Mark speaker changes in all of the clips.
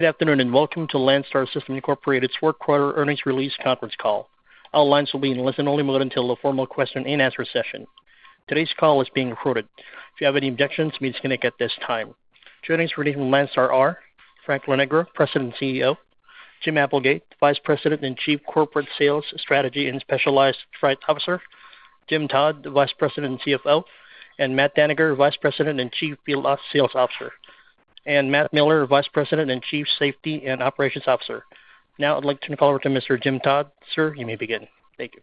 Speaker 1: Good afternoon, and welcome to Landstar System, Inc.'s fourth quarter earnings release conference call. All lines will be in listen-only mode until the formal question and answer session. Today's call is being recorded. If you have any objections, please disconnect at this time. Joining us for today from Landstar are Frank Lonegro, President and CEO; Jim Applegate, Vice President and Chief Corporate Sales, Strategy and Specialized Freight Officer; Jim Todd, Vice President and CFO; and Matt Dannegger, Vice President and Chief Field Sales Officer; and Matt Miller, Vice President and Chief Safety and Operations Officer. Now, I'd like to turn the call over to Mr. Jim Todd. Sir, you may begin. Thank you.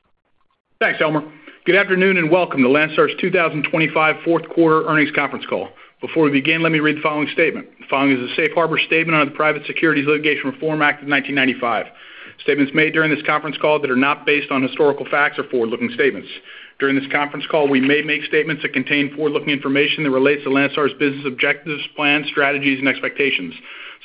Speaker 2: Thanks, Elmer. Good afternoon, and welcome to Landstar's 2025 fourth quarter earnings conference call. Before we begin, let me read the following statement. The following is a safe harbor statement on the Private Securities Litigation Reform Act of 1995. Statements made during this conference call that are not based on historical facts are forward-looking statements. During this conference call, we may make statements that contain forward-looking information that relates to Landstar's business objectives, plans, strategies, and expectations.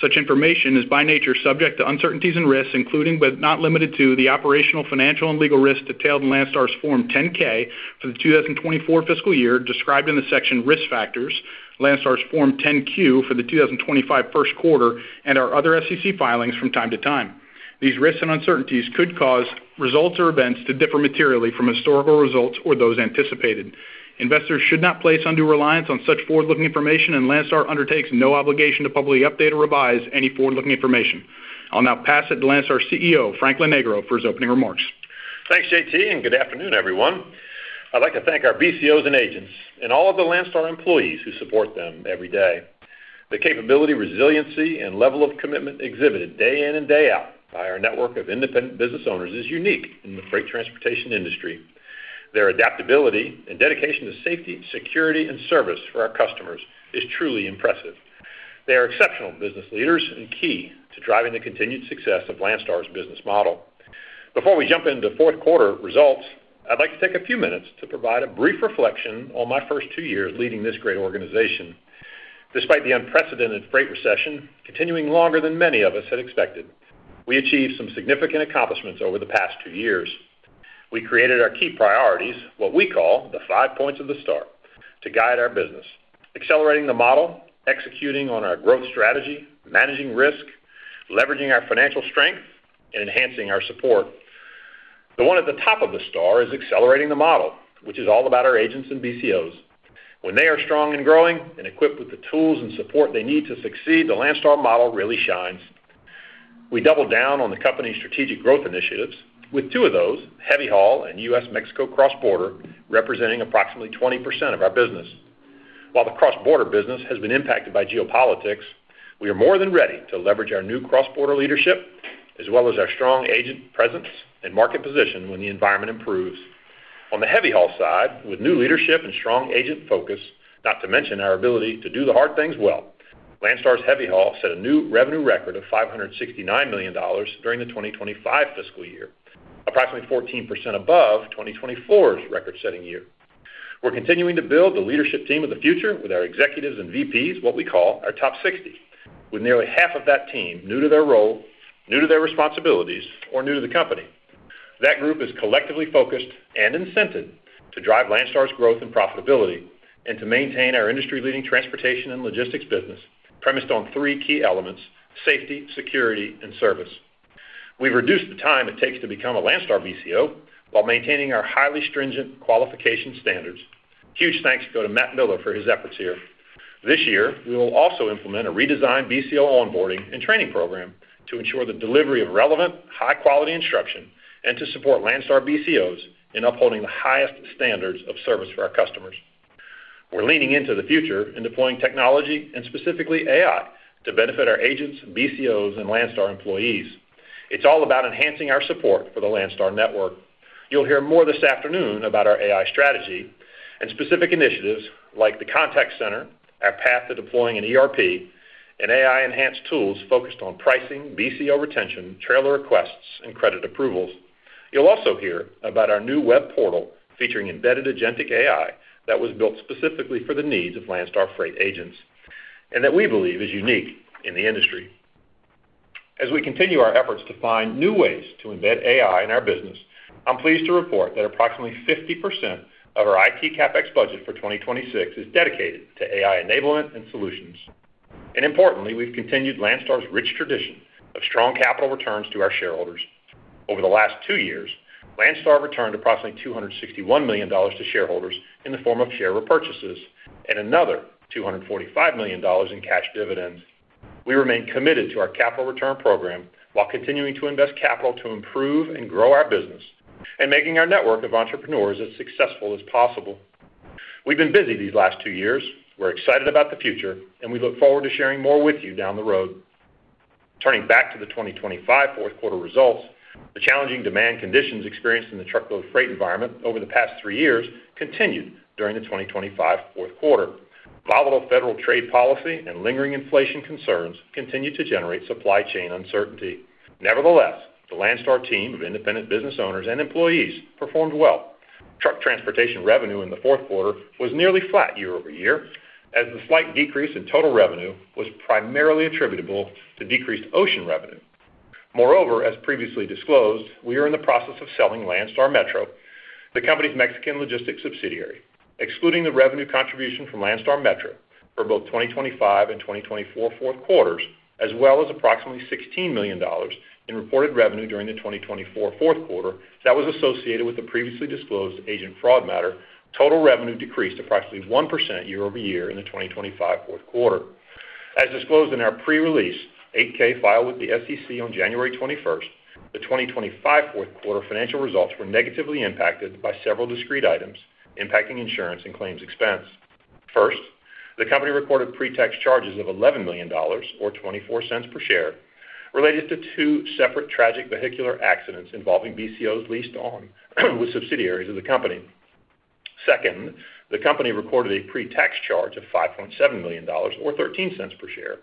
Speaker 2: Such information is, by nature, subject to uncertainties and risks, including, but not limited to, the operational, financial, and legal risks detailed in Landstar's Form 10-K for the 2024 fiscal year, described in the section Risk Factors, Landstar's Form 10-Q for the 2025 first quarter, and our other SEC filings from time to time. These risks and uncertainties could cause results or events to differ materially from historical results or those anticipated. Investors should not place undue reliance on such forward-looking information, and Landstar undertakes no obligation to publicly update or revise any forward-looking information. I'll now pass it to Landstar's CEO, Frank Lonegro, for his opening remarks.
Speaker 3: Thanks, JT, and good afternoon, everyone. I'd like to thank our BCOs and agents and all of Landstar employees who support them every day. The capability, resiliency, and level of commitment exhibited day in and day out by our network of independent business owners is unique in the freight transportation industry. Their adaptability and dedication to safety, security, and service for our customers is truly impressive. They are exceptional business leaders and key to driving the continued success of Landstar's business model. Before we jump into fourth quarter results, I'd like to take a few minutes to provide a brief reflection on my first two years leading this great organization. Despite the unprecedented freight recession continuing longer than many of us had expected, we achieved some significant accomplishments over the past two years. We created our key priorities, what we call the Five Points of the Star, to guide our business, accelerating the model, executing on our growth strategy, managing risk, leveraging our financial strength, and enhancing our support. The one at the top of the star is accelerating the model, which is all about our agents and BCOs. When they are strong and growing and equipped with the tools and support they need to succeed, the Landstar model really shines. We doubled down on the company's strategic growth initiatives, with two of those, heavy haul and U.S.-Mexico cross-border, representing approximately 20% of our business. While the cross-border business has been impacted by geopolitics, we are more than ready to leverage our new cross-border leadership, as well as our strong agent presence and market position when the environment improves. On the heavy haul side, with new leadership and strong agent focus, not to mention our ability to do the hard things well, Landstar's heavy haul set a new revenue record of $569 million during the 2025 fiscal year, approximately 14% above 2024's record-setting year. We're continuing to build the leadership team of the future with our executives and VPs, what we call our Top 60, with nearly half of that team new to their role, new to their responsibilities, or new to the company. That group is collectively focused and incented to drive Landstar's growth and profitability and to maintain our industry-leading transportation and logistics business, premised on three key elements: safety, security, and service. We've reduced the time it takes to become a Landstar BCO while maintaining our highly stringent qualification standards. Huge thanks go to Matt Miller for his efforts here. This year, we will also implement a redesigned BCO onboarding and training program to ensure the delivery of relevant, high-quality instruction and to support Landstar BCOs in upholding the highest standards of service for our customers. We're leaning into the future and deploying technology, and specifically AI, to benefit our agents, BCOs, and Landstar employees. It's all about enhancing our support for the Landstar network. You'll hear more this afternoon about our AI strategy and specific initiatives like the contact center, our path to deploying an ERP, and AI-enhanced tools focused on pricing, BCO retention, trailer requests, and credit approvals. You'll also hear about our new web portal, featuring embedded agentic AI, that was built specifically for the needs of Landstar freight agents, and that we believe is unique in the industry. As we continue our efforts to find new ways to embed AI in our business, I'm pleased to report that approximately 50% of our IT CapEx budget for 2026 is dedicated to AI enablement and solutions. Importantly, we've continued Landstar's rich tradition of strong capital returns to our shareholders. Over the last two years, Landstar returned approximately $261 million to shareholders in the form of share repurchases and another $245 million in cash dividends. We remain committed to our capital return program while continuing to invest capital to improve and grow our business and making our network of entrepreneurs as successful as possible. We've been busy these last two years. We're excited about the future, and we look forward to sharing more with you down the road. Turning back to the 2025 fourth quarter results, the challenging demand conditions experienced in the truckload freight environment over the past three years continued during the 2025 fourth quarter. Volatile federal trade policy and lingering inflation concerns continued to generate supply chain uncertainty. Nevertheless, the Landstar team of independent business owners and employees performed well. Truck transportation revenue in the fourth quarter was nearly flat year-over-year, as the slight decrease in total revenue was primarily attributable to decreased ocean revenue. Moreover, as previously disclosed, we are in the process of selling Landstar Metro, the company's Mexican logistics subsidiary. Excluding the revenue contribution from Landstar Metro for both 2025 and 2024 fourth quarters, as well as approximately $16 million in reported revenue during the 2024 fourth quarter, that was associated with the previously disclosed agent fraud matter, total revenue decreased approximately 1% year-over-year in the 2025 fourth quarter. As disclosed in our pre-release 8-K filed with the SEC on January 21st, the 2025 fourth quarter financial results were negatively impacted by several discrete items, impacting insurance and claims expense. First, the company recorded pre-tax charges of $11 million, or $0.24 per share, related to two separate tragic vehicular accidents involving BCOs leased on with subsidiaries of the company. Second, the company recorded a pre-tax charge of $5.7 million, or $0.13 per share,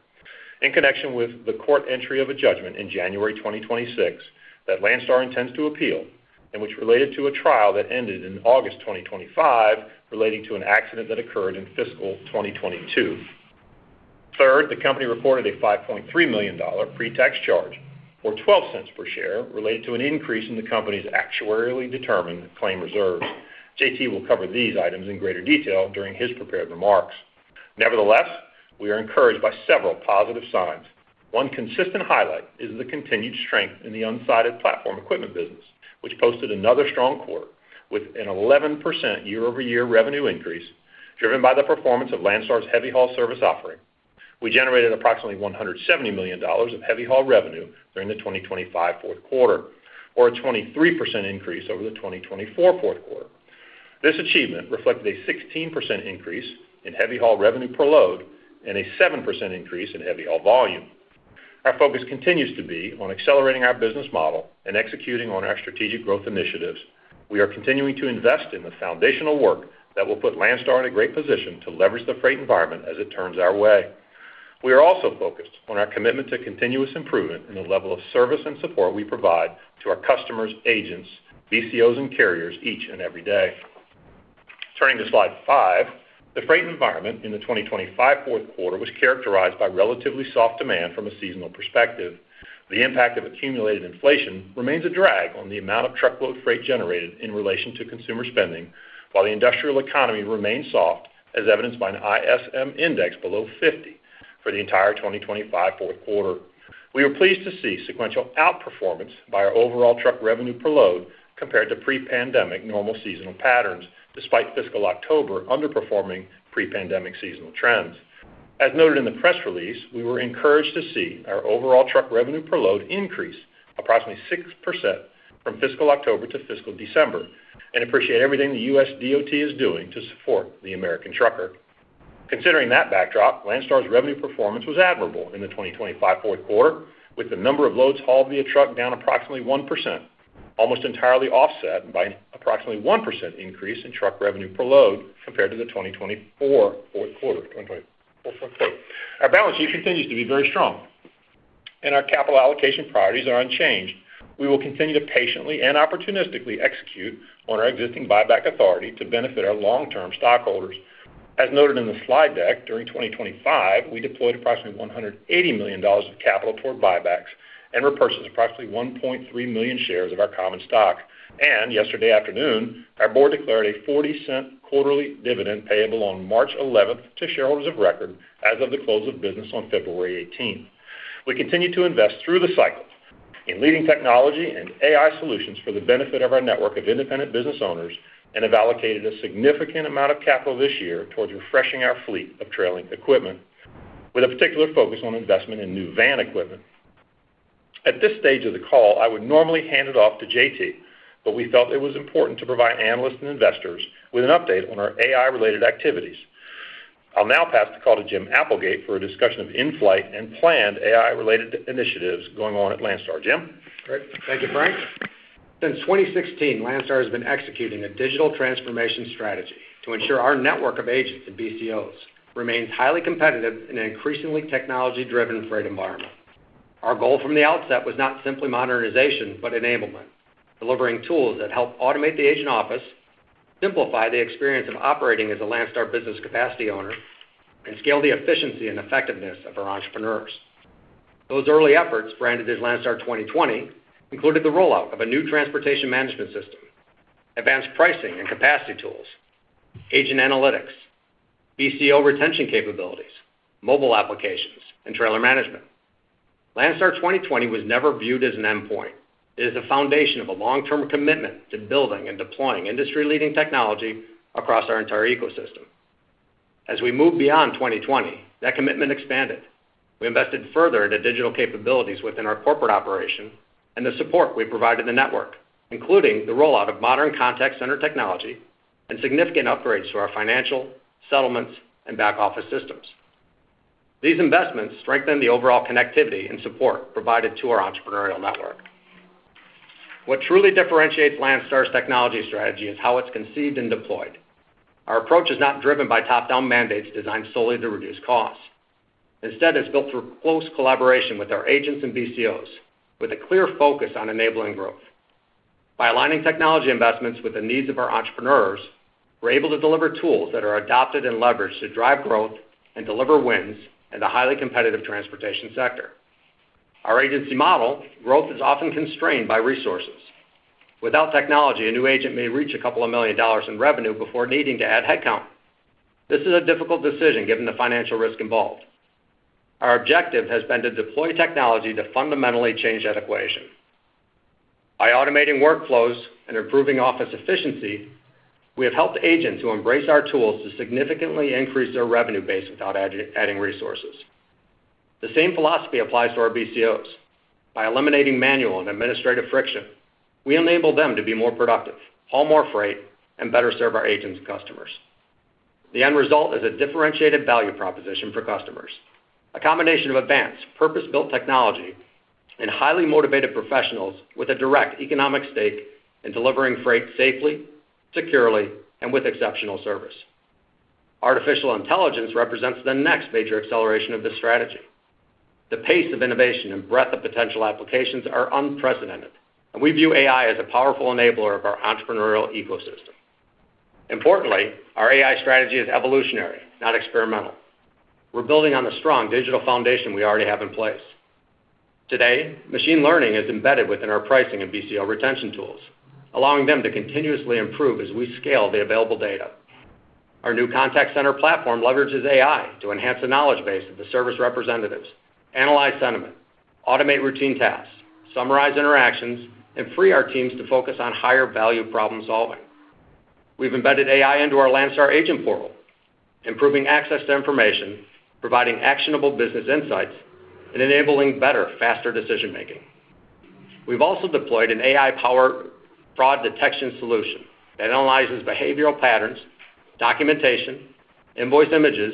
Speaker 3: in connection with the court entry of a judgment in January 2026, that Landstar intends to appeal, and which related to a trial that ended in August 2025, relating to an accident that occurred in fiscal year 2022. Third, the company reported a $5.3 million pre-tax charge, or $0.12 per share, related to an increase in the company's actuarially determined claim reserves. JT will cover these items in greater detail during his prepared remarks. Nevertheless, we are encouraged by several positive signs. One consistent highlight is the continued strength in the unsided platform equipment business, which posted another strong quarter with an 11% year-over-year revenue increase, driven by the performance of Landstar's heavy haul service offering. We generated approximately $170 million of heavy haul revenue during the 2025 fourth quarter, or a 23% increase over the 2024 fourth quarter. This achievement reflected a 16% increase in heavy haul revenue per load and a 7% increase in heavy haul volume. Our focus continues to be on accelerating our business model and executing on our strategic growth initiatives. We are continuing to invest in the foundational work that will put Landstar in a great position to leverage the freight environment as it turns our way. We are also focused on our commitment to continuous improvement in the level of service and support we provide to our customers, agents, BCOs, and carriers, each and every day. Turning to slide five, the freight environment in the 2025 fourth quarter was characterized by relatively soft demand from a seasonal perspective. The impact of accumulated inflation remains a drag on the amount of truckload freight generated in relation to consumer spending, while the industrial economy remains soft, as evidenced by an ISM Index below 50 for the entire 2025 fourth quarter. We were pleased to see sequential outperformance by our overall truck revenue per load compared to pre-pandemic normal seasonal patterns, despite fiscal October underperforming pre-pandemic seasonal trends. As noted in the press release, we were encouraged to see our overall truck revenue per load increase approximately 6% from fiscal October to fiscal December, and appreciate everything the U.S. DOT is doing to support the American trucker. Considering that backdrop, Landstar's revenue performance was admirable in the 2025 fourth quarter, with the number of loads hauled via truck down approximately 1%, almost entirely offset by approximately 1% increase in truck revenue per load compared to the 2024 fourth quarter. Our balance sheet continues to be very strong, and our capital allocation priorities are unchanged. We will continue to patiently and opportunistically execute on our existing buyback authority to benefit our long-term stockholders. As noted in the slide deck, during 2025, we deployed approximately $180 million of capital toward buybacks and repurchased approximately 1.3 million shares of our common stock. Yesterday afternoon, our board declared a $0.40 quarterly dividend payable on March 11 to shareholders of record as of the close of business on February 18. We continue to invest through the cycles in leading technology and AI solutions for the benefit of our network of independent business owners, and have allocated a significant amount of capital this year towards refreshing our fleet of trailing equipment, with a particular focus on investment in new van equipment. At this stage of the call, I would normally hand it off to JT, but we felt it was important to provide analysts and investors with an update on our AI-related activities. I'll now pass the call to Jim Applegate for a discussion of in-flight and planned AI-related initiatives going on at Landstar. Jim?
Speaker 4: Great. Thank you, Frank. Since 2016, Landstar has been executing a digital transformation strategy to ensure our network of agents and BCOs remains highly competitive in an increasingly technology-driven freight environment. Our goal from the outset was not simply modernization, but enablement, delivering tools that help automate the agent office, simplify the experience of operating as a Landstar business capacity owner, and scale the efficiency and effectiveness of our entrepreneurs. Those early efforts, branded as Landstar 2020, included the rollout of a new transportation management system, advanced pricing and capacity tools, agent analytics, BCO retention capabilities, mobile applications, and trailer management. Landstar 2020 was never viewed as an endpoint. It is the foundation of a long-term commitment to building and deploying industry-leading technology across our entire ecosystem. As we move beyond 2020, that commitment expanded. We invested further into digital capabilities within our corporate operation and the support we provided the network, including the rollout of modern contact center technology and significant upgrades to our financial, settlements, and back-office systems. These investments strengthen the overall connectivity and support provided to our entrepreneurial network. What truly differentiates Landstar's technology strategy is how it's conceived and deployed. Our approach is not driven by top-down mandates designed solely to reduce costs. Instead, it's built through close collaboration with our agents and BCOs, with a clear focus on enabling growth. By aligning technology investments with the needs of our entrepreneurs, we're able to deliver tools that are adopted and leveraged to drive growth and deliver wins in the highly competitive transportation sector. Our agency model, growth is often constrained by resources. Without technology, a new agent may reach $2 million in revenue before needing to add headcount. This is a difficult decision, given the financial risk involved. Our objective has been to deploy technology to fundamentally change that equation. By automating workflows and improving office efficiency, we have helped agents who embrace our tools to significantly increase their revenue base without adding resources. The same philosophy applies to our BCOs. By eliminating manual and administrative friction, we enable them to be more productive, haul more freight, and better serve our agents and customers. The end result is a differentiated value proposition for customers. A combination of advanced, purpose-built technology and highly motivated professionals with a direct economic stake in delivering freight safely, securely, and with exceptional service. Artificial intelligence represents the next major acceleration of this strategy. The pace of innovation and breadth of potential applications are unprecedented, and we view AI as a powerful enabler of our entrepreneurial ecosystem. Importantly, our AI strategy is evolutionary, not experimental. We're building on the strong digital foundation we already have in place. Today, machine learning is embedded within our pricing and BCO retention tools, allowing them to continuously improve as we scale the available data. Our new contact center platform leverages AI to enhance the knowledge base of the service representatives, analyze sentiment, automate routine tasks, summarize interactions, and free our teams to focus on higher-value problem-solving. We've embedded AI into our Landstar Agent Portal, improving access to information, providing actionable business insights, and enabling better, faster decision-making. We've also deployed an AI-powered fraud detection solution that analyzes behavioral patterns, documentation, invoice images,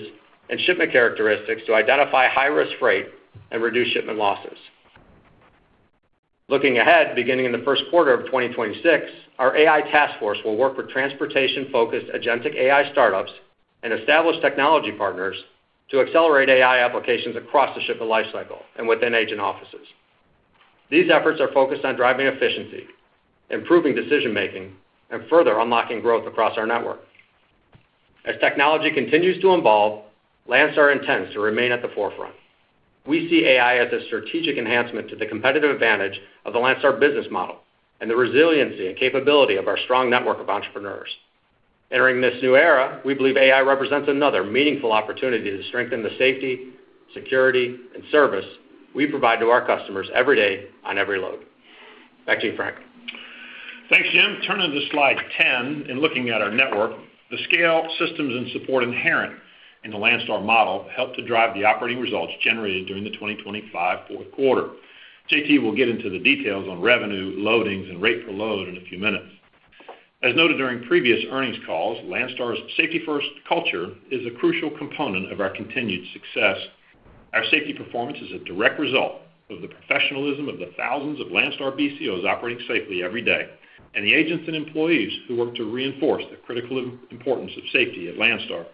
Speaker 4: and shipment characteristics to identify high-risk freight and reduce shipment losses. Looking ahead, beginning in the first quarter of 2026, our AI task force will work with transportation-focused agentic AI startups and established technology partners to accelerate AI applications across the shipper life cycle and within agent offices. These efforts are focused on driving efficiency, improving decision-making, and further unlocking growth across our network. As technology continues to evolve, Landstar intends to remain at the forefront. We see AI as a strategic enhancement to the competitive advantage of the Landstar business model and the resiliency and capability of our strong network of entrepreneurs. Entering this new era, we believe AI represents another meaningful opportunity to strengthen the safety, security, and service we provide to our customers every day on every load. Back to you, Frank.
Speaker 3: Thanks, Jim. Turning to slide 10, and looking at our network, the scale, systems, and support inherent in the Landstar model helped to drive the operating results generated during the 2025 fourth quarter. JT will get into the details on revenue, loadings, and rate per load in a few minutes. As noted during previous earnings calls, Landstar's safety-first culture is a crucial component of our continued success. Our safety performance is a direct result of the professionalism of the thousands of Landstar BCOs operating safely every day, and the agents and employees who work to reinforce the critical importance of safety at Landstar.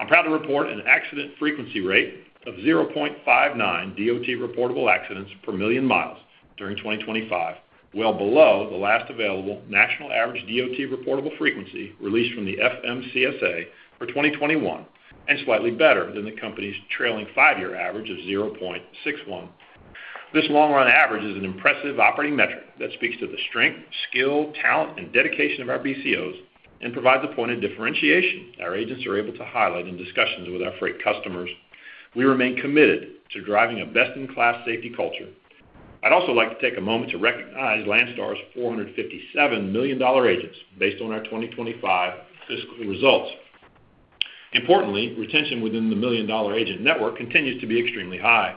Speaker 3: I'm proud to report an accident frequency rate of 0.59 DOT reportable accidents per million miles during 2025, well below the last available national average DOT reportable frequency released from the FMCSA for 2021, and slightly better than the company's trailing five-year average of 0.61. This long-run average is an impressive operating metric that speaks to the strength, skill, talent, and dedication of our BCOs and provides a point of differentiation our agents are able to highlight in discussions with our freight customers. We remain committed to driving a best-in-class safety culture. I'd also like to take a moment to recognize Landstar's 457 Million Dollar Agents based on our 2025 fiscal year results. Importantly, retention within the Million Dollar Agent network continues to be extremely high.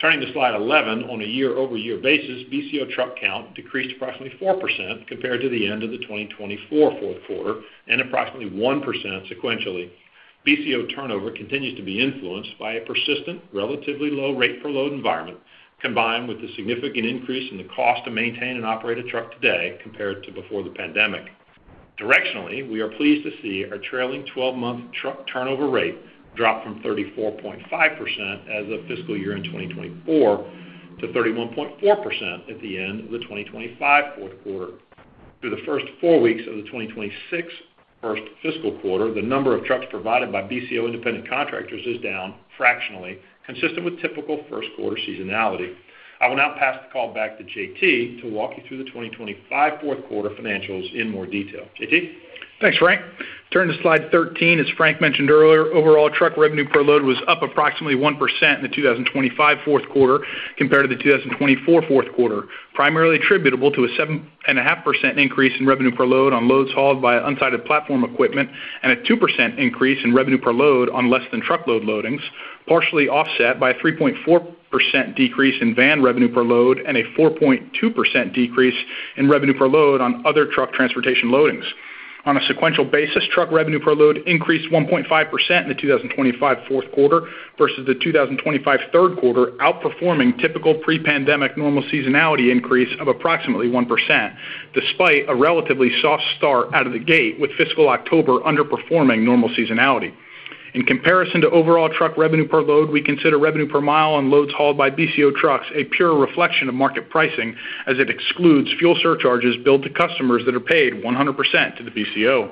Speaker 3: Turning to slide 11, on a year-over-year basis, BCO truck count decreased approximately 4% compared to the end of the 2024 fourth quarter and approximately 1% sequentially. BCO turnover continues to be influenced by a persistent, relatively low rate per load environment, combined with the significant increase in the cost to maintain and operate a truck today compared to before the pandemic. Directionally, we are pleased to see our trailing twelve-month truck turnover rate drop from 34.5% as of fiscal year-end 2024 to 31.4% at the end of the 2025 fourth quarter. Through the first four weeks of the 2026 first fiscal quarter, the number of trucks provided by BCO independent contractors is down fractionally, consistent with typical first quarter seasonality. I will now pass the call back to JT to walk you through the 2025 fourth quarter financials in more detail. JT?
Speaker 2: Thanks, Frank. Turn to slide 13. As Frank mentioned earlier, overall, truck revenue per load was up approximately 1% in the 2025 fourth quarter compared to the 2024 fourth quarter, primarily attributable to a 7.5% increase in revenue per load on loads hauled by unsided platform equipment, and a 2% increase in revenue per load on less than truckload loadings, partially offset by a 3.4% decrease in van revenue per load and a 4.2% decrease in revenue per load on other truck transportation loadings. On a sequential basis, truck revenue per load increased 1.5% in the 2025 fourth quarter versus the 2025 third quarter, outperforming typical pre-pandemic normal seasonality increase of approximately 1%, despite a relatively soft start out of the gate, with fiscal October underperforming normal seasonality. ...In comparison to overall truck revenue per load, we consider revenue per mile on loads hauled by BCO trucks a pure reflection of market pricing, as it excludes fuel surcharges billed to customers that are paid 100% to the BCO.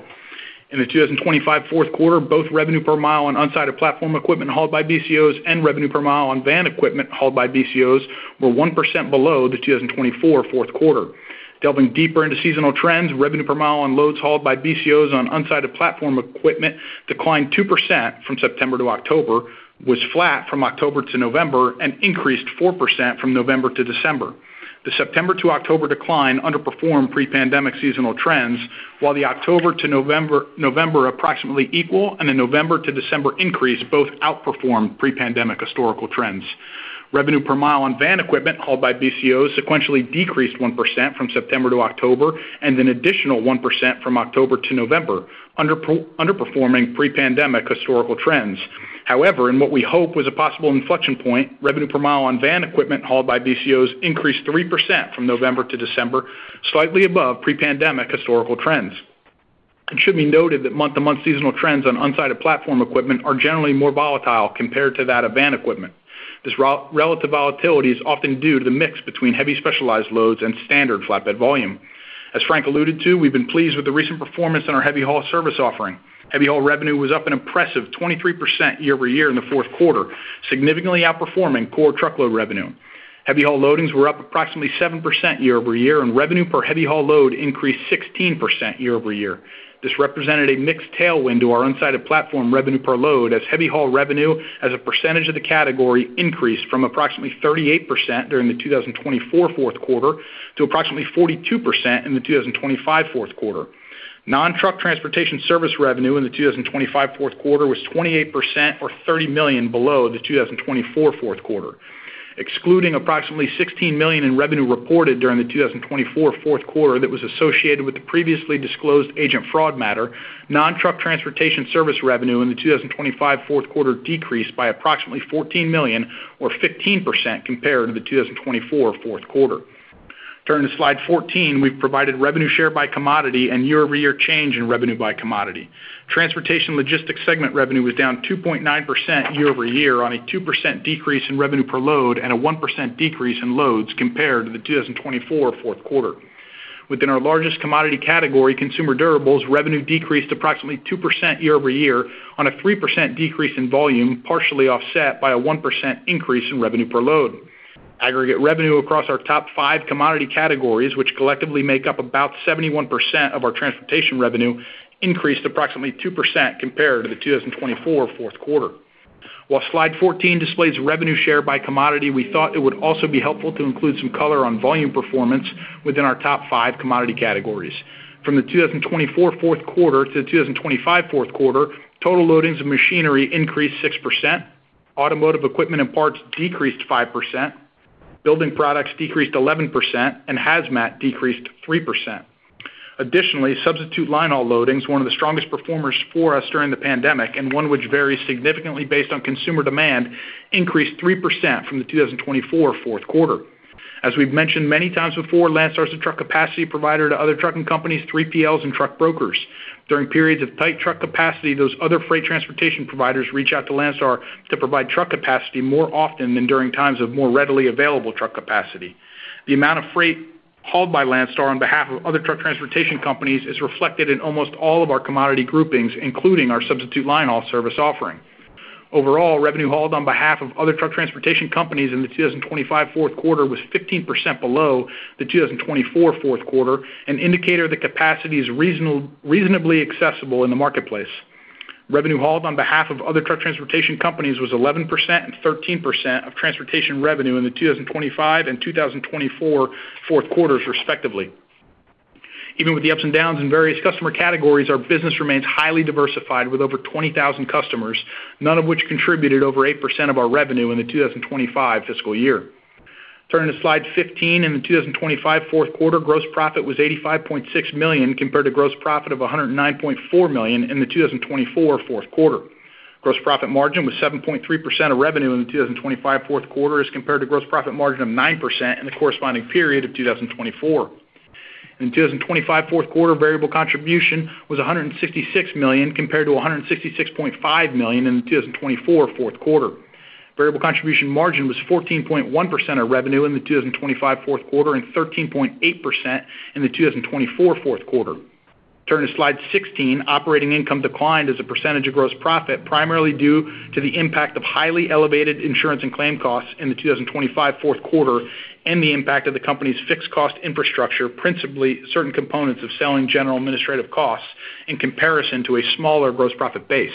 Speaker 2: In the 2025 fourth quarter, both revenue per mile on unsided platform equipment hauled by BCOs and revenue per mile on van equipment hauled by BCOs were 1% below the 2024 fourth quarter. Delving deeper into seasonal trends, revenue per mile on loads hauled by BCOs on unsided platform equipment declined 2% from September to October, was flat from October to November, and increased 4% from November to December. The September to October decline underperformed pre-pandemic seasonal trends, while the October to November flat and the November to December increase both outperformed pre-pandemic historical trends. Revenue per mile on van equipment hauled by BCOs sequentially decreased 1% from September to October, and an additional 1% from October to November, underperforming pre-pandemic historical trends. However, in what we hope was a possible inflection point, revenue per mile on van equipment hauled by BCOs increased 3% from November to December, slightly above pre-pandemic historical trends. It should be noted that month-to-month seasonal trends on unsided platform equipment are generally more volatile compared to that of van equipment. This relative volatility is often due to the mix between heavy specialized loads and standard flatbed volume. As Frank alluded to, we've been pleased with the recent performance in our heavy haul service offering. Heavy haul revenue was up an impressive 23% year-over-year in the fourth quarter, significantly outperforming core truckload revenue. Heavy haul loadings were up approximately 7% year-over-year, and revenue per heavy haul load increased 16% year-over-year. This represented a mixed tailwind to our unsided platform revenue per load, as heavy haul revenue as a percentage of the category increased from approximately 38% during the 2024 fourth quarter to approximately 42% in the 2025 fourth quarter. Non-truck transportation service revenue in the 2025 fourth quarter was 28%, or $30 million, below the 2024 fourth quarter. Excluding approximately $16 million in revenue reported during the 2024 fourth quarter that was associated with the previously disclosed agent fraud matter, non-truck transportation service revenue in the 2025 fourth quarter decreased by approximately $14 million, or 15% compared to the 2024 fourth quarter. Turning to slide 14, we've provided revenue share by commodity and year-over-year change in revenue by commodity. Transportation logistics segment revenue was down 2.9% year-over-year on a 2% decrease in revenue per load and a 1% decrease in loads compared to the 2024 fourth quarter. Within our largest commodity category, consumer durables, revenue decreased approximately 2% year-over-year on a 3% decrease in volume, partially offset by a 1% increase in revenue per load. Aggregate revenue across our top five commodity categories, which collectively make up about 71% of our transportation revenue, increased approximately 2% compared to the 2024 fourth quarter. While slide 14 displays revenue share by commodity, we thought it would also be helpful to include some color on volume performance within our top five commodity categories. From the 2024 fourth quarter to the 2025 fourth quarter, total loadings of machinery increased 6%, automotive equipment and parts decreased 5%, building products decreased 11%, and hazmat decreased 3%. Additionally, substitute linehaul loadings, one of the strongest performers for us during the pandemic and one which varies significantly based on consumer demand, increased 3% from the 2024 fourth quarter. As we've mentioned many times before, Landstar's a truck capacity provider to other trucking companies, 3PLs and truck brokers. During periods of tight truck capacity, those other freight transportation providers reach out to Landstar to provide truck capacity more often than during times of more readily available truck capacity. The amount of freight hauled by Landstar on behalf of other truck transportation companies is reflected in almost all of our commodity groupings, including our substitute linehaul service offering. Overall, revenue hauled on behalf of other truck transportation companies in the 2025 fourth quarter was 15% below the 2024 fourth quarter, an indicator that capacity is reasonably accessible in the marketplace. Revenue hauled on behalf of other truck transportation companies was 11% and 13% of transportation revenue in the 2025 and 2024 fourth quarters, respectively. Even with the ups and downs in various customer categories, our business remains highly diversified, with over 20,000 customers, none of which contributed over 8% of our revenue in the 2025 fiscal year. Turning to slide 15, in the 2025 fourth quarter, gross profit was $85.6 million, compared to gross profit of $109.4 million in the 2024 fourth quarter. Gross profit margin was 7.3% of revenue in the 2025 fourth quarter, as compared to gross profit margin of 9% in the corresponding period of 2024. In the 2025 fourth quarter, variable contribution margin was $166 million, compared to $166.5 million in the 2024 fourth quarter. Variable contribution margin was 14.1% of revenue in the 2025 fourth quarter and 13.8% in the 2024 fourth quarter. Turning to slide 16, operating income declined as a percentage of gross profit, primarily due to the impact of highly elevated insurance and claim costs in the 2025 fourth quarter and the impact of the company's fixed cost infrastructure, principally certain components of selling, general, and administrative costs, in comparison to a smaller gross profit base.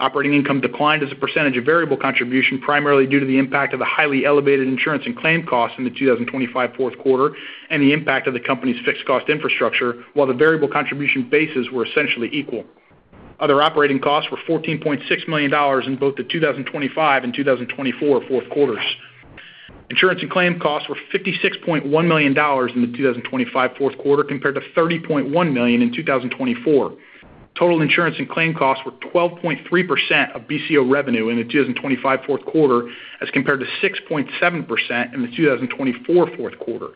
Speaker 2: Operating income declined as a percentage of variable contribution, primarily due to the impact of the highly elevated insurance and claim costs in the 2025 fourth quarter and the impact of the company's fixed cost infrastructure, while the variable contribution bases were essentially equal. Other operating costs were $14.6 million in both the 2025 and 2024 fourth quarters. Insurance and claim costs were $56.1 million in the 2025 fourth quarter, compared to $30.1 million in 2024. Total insurance and claim costs were 12.3% of BCO revenue in the 2025 fourth quarter, as compared to 6.7% in the 2024 fourth quarter.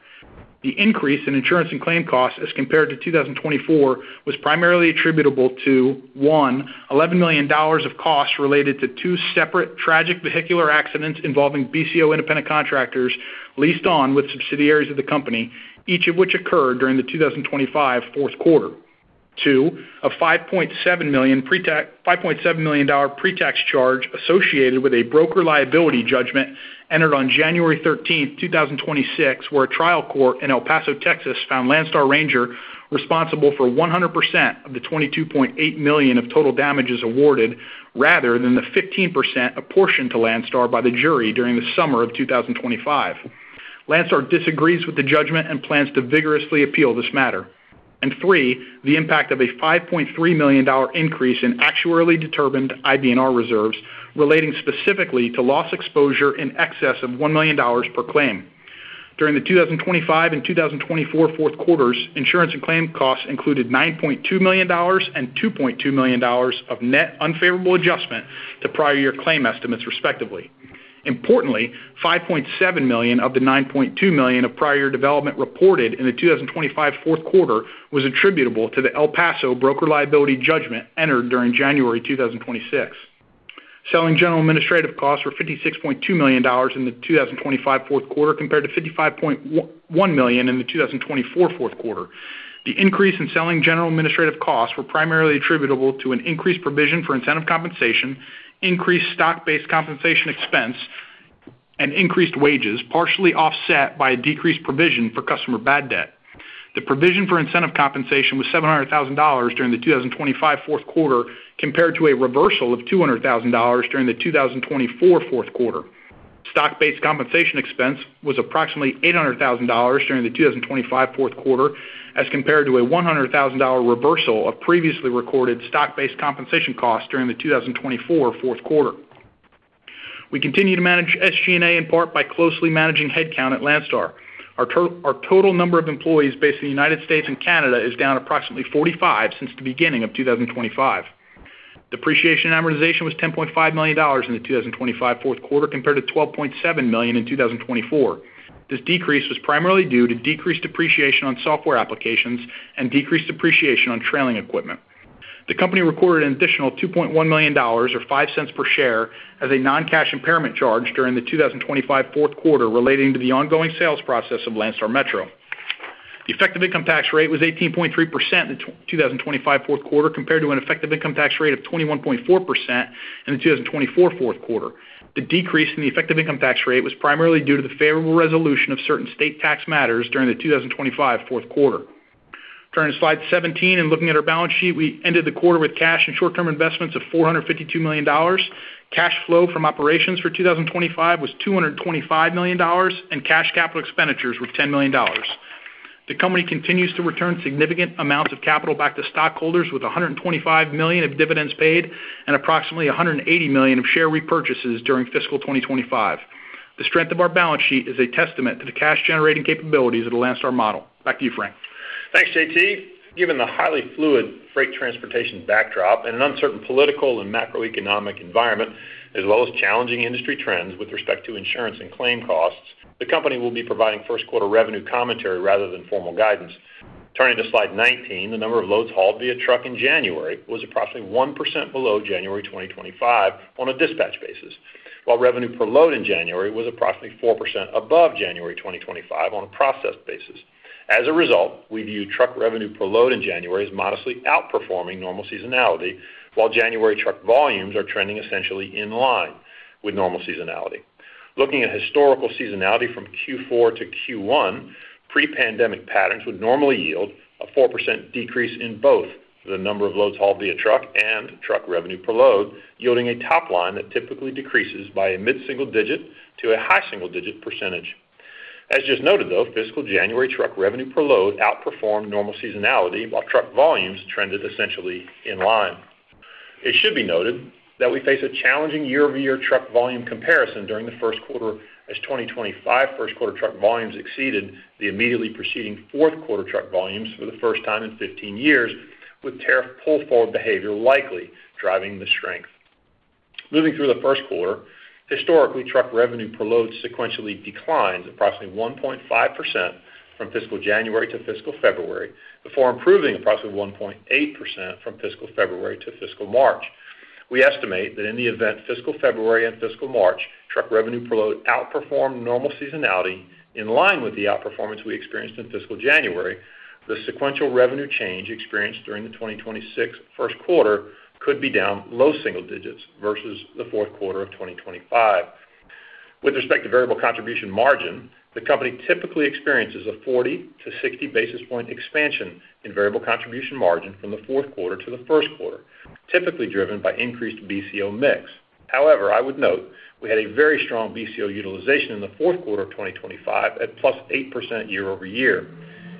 Speaker 2: The increase in insurance and claim costs as compared to 2024, was primarily attributable to, one, $11 million of costs related to two separate tragic vehicular accidents involving BCO independent contractors, leased on with subsidiaries of the company, each of which occurred during the 2025 fourth quarter. Two, a $5.7 million pre-tax, $5.7 million dollars pre-tax charge associated with a broker liability judgment entered on January 13, 2026, where a trial court in El Paso, Texas, found Landstar Ranger responsible for 100% of the $22.8 million of total damages awarded, rather than the 15% apportioned to Landstar by the jury during the summer of 2025. Landstar disagrees with the judgment and plans to vigorously appeal this matter. And three, the impact of a $5.3 million dollar increase in actuarially determined IBNR reserves, relating specifically to loss exposure in excess of $1 million dollars per claim. During the 2025 and 2024 fourth quarters, insurance and claim costs included $9.2 million and $2.2 million of net unfavorable adjustment to prior year claim estimates, respectively. Importantly, $5.7 million of the $9.2 million of prior year development reported in the 2025 fourth quarter was attributable to the El Paso broker liability judgment entered during January 2026. Selling, general, and administrative costs were $56.2 million in the 2025 fourth quarter, compared to $55.1 million in the 2024 fourth quarter. The increase in selling, general, and administrative costs were primarily attributable to an increased provision for incentive compensation, increased stock-based compensation expense, and increased wages, partially offset by a decreased provision for customer bad debt. The provision for incentive compensation was $700,000 during the 2025 fourth quarter, compared to a reversal of $200,000 during the 2024 fourth quarter. Stock-based compensation expense was approximately $800,000 during the 2025 fourth quarter, as compared to a $100,000 reversal of previously recorded stock-based compensation costs during the 2024 fourth quarter. We continue to manage SG&A, in part by closely managing headcount at Landstar. Our total number of employees based in the United States and Canada is down approximately 45 since the beginning of 2025. Depreciation and amortization was $10.5 million in the 2025 fourth quarter, compared to $12.7 million in 2024. This decrease was primarily due to decreased depreciation on software applications and decreased depreciation on trailing equipment. The company recorded an additional $2.1 million, or $0.05 per share, as a non-cash impairment charge during the 2025 fourth quarter, relating to the ongoing sales process of Landstar Metro. The effective income tax rate was 18.3% in 2025 fourth quarter, compared to an effective income tax rate of 21.4% in the 2024 fourth quarter. The decrease in the effective income tax rate was primarily due to the favorable resolution of certain state tax matters during the 2025 fourth quarter. Turning to slide 17 and looking at our balance sheet, we ended the quarter with cash and short-term investments of $452 million. Cash flow from operations for 2025 was $225 million, and cash capital expenditures were $10 million. The company continues to return significant amounts of capital back to stockholders with $125 million of dividends paid and approximately $180 million of share repurchases during fiscal year 2025. The strength of our balance sheet is a testament to the cash-generating capabilities of the Landstar model. Back to you, Frank.
Speaker 3: Thanks, JT. Given the highly fluid freight transportation backdrop and an uncertain political and macroeconomic environment, as well as challenging industry trends with respect to insurance and claim costs, the company will be providing first quarter revenue commentary rather than formal guidance. Turning to slide 19, the number of loads hauled via truck in January was approximately 1% below January 2025 on a dispatch basis, while revenue per load in January was approximately 4% above January 2025 on a process basis. As a result, we view truck revenue per load in January as modestly outperforming normal seasonality, while January truck volumes are trending essentially in line with normal seasonality. Looking at historical seasonality from Q4 to Q1, pre-pandemic patterns would normally yield a 4% decrease in both the number of loads hauled via truck and truck revenue per load, yielding a top line that typically decreases by a mid-single-digit to a high single-digit percentage. As just noted, though, fiscal January truck revenue per load outperformed normal seasonality, while truck volumes trended essentially in line. It should be noted that we face a challenging year-over-year truck volume comparison during the first quarter, as 2025 first quarter truck volumes exceeded the immediately preceding fourth quarter truck volumes for the first time in 15 years, with tariff pull-forward behavior likely driving the strength. Moving through the first quarter, historically, truck revenue per load sequentially declines approximately 1.5% from fiscal January to fiscal February, before improving approximately 1.8% from fiscal February to fiscal March. We estimate that in the event fiscal February and fiscal March, truck revenue per load outperformed normal seasonality in line with the outperformance we experienced in fiscal January, the sequential revenue change experienced during the 2026 first quarter could be down low single digits versus the fourth quarter of 2025. With respect to variable contribution margin, the company typically experiences a 40-60 basis point expansion in variable contribution margin from the fourth quarter to the first quarter, typically driven by increased BCO mix. However, I would note we had a very strong BCO utilization in the fourth quarter of 2025 at +8% year-over-year.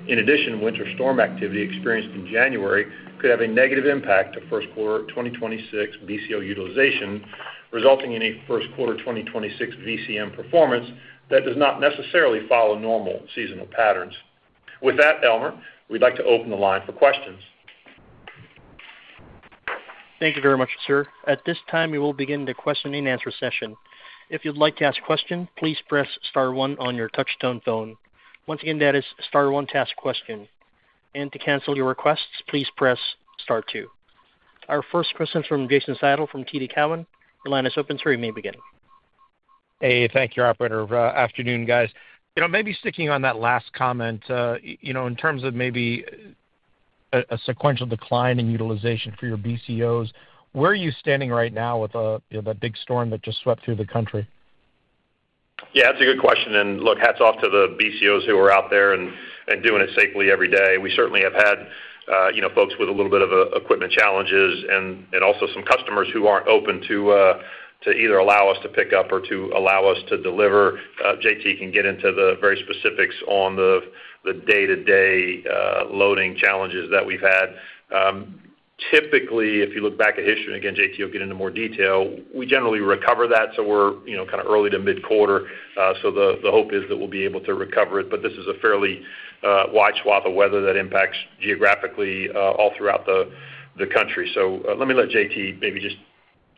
Speaker 3: In addition, winter storm activity experienced in January could have a negative impact to first quarter 2026 BCO utilization, resulting in a first quarter 2026 VCM performance that does not necessarily follow normal seasonal patterns. With that, Elmer, we'd like to open the line for questions....
Speaker 1: Thank you very much, sir. At this time, we will begin the question and answer session. If you'd like to ask a question, please press star one on your touch-tone phone. Once again, that is star one to ask a question. To cancel your requests, please press star two. Our first question is from Jason Seidl from TD Cowen. Your line is open, sir. You may begin.
Speaker 5: Hey, thank you, operator. Afternoon, guys. You know, maybe sticking on that last comment, you know, in terms of maybe a sequential decline in utilization for your BCOs, where are you standing right now with, you know, that big storm that just swept through the country?
Speaker 3: Yeah, that's a good question, and look, hats off to the BCOs who are out there and doing it safely every day. We certainly have had, you know, folks with a little bit of equipment challenges and also some customers who aren't open to either allow us to pick up or to allow us to deliver. JT can get into the very specifics on the day-to-day loading challenges that we've had. Typically, if you look back at history, and again, JT will get into more detail, we generally recover that, so we're, you know, kind of early to mid-quarter. So the hope is that we'll be able to recover it. But this is a fairly wide swath of weather that impacts geographically all throughout the country. Let me let JT maybe just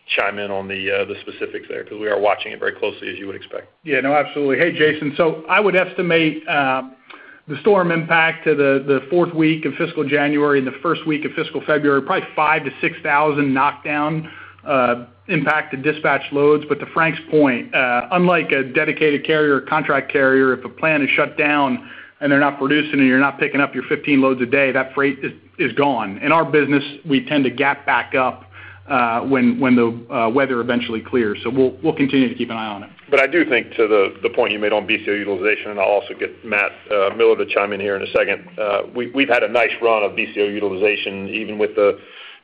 Speaker 3: chime in on the specifics there, because we are watching it very closely, as you would expect.
Speaker 2: Yeah, no, absolutely. Hey, Jason. So I would estimate the storm impact to the fourth week of fiscal January and the first week of fiscal February, probably 5,000-6,000 loads down impacted dispatched loads. But to Frank's point, unlike a dedicated carrier or contract carrier, if a plant is shut down and they're not producing and you're not picking up your 15 loads a day, that freight is gone. In our business, we tend to gap back up when the weather eventually clears. So we'll continue to keep an eye on it.
Speaker 3: But I do think to the point you made on BCO utilization, and I'll also get Matt Miller to chime in here in a second. We've had a nice run of BCO utilization, even with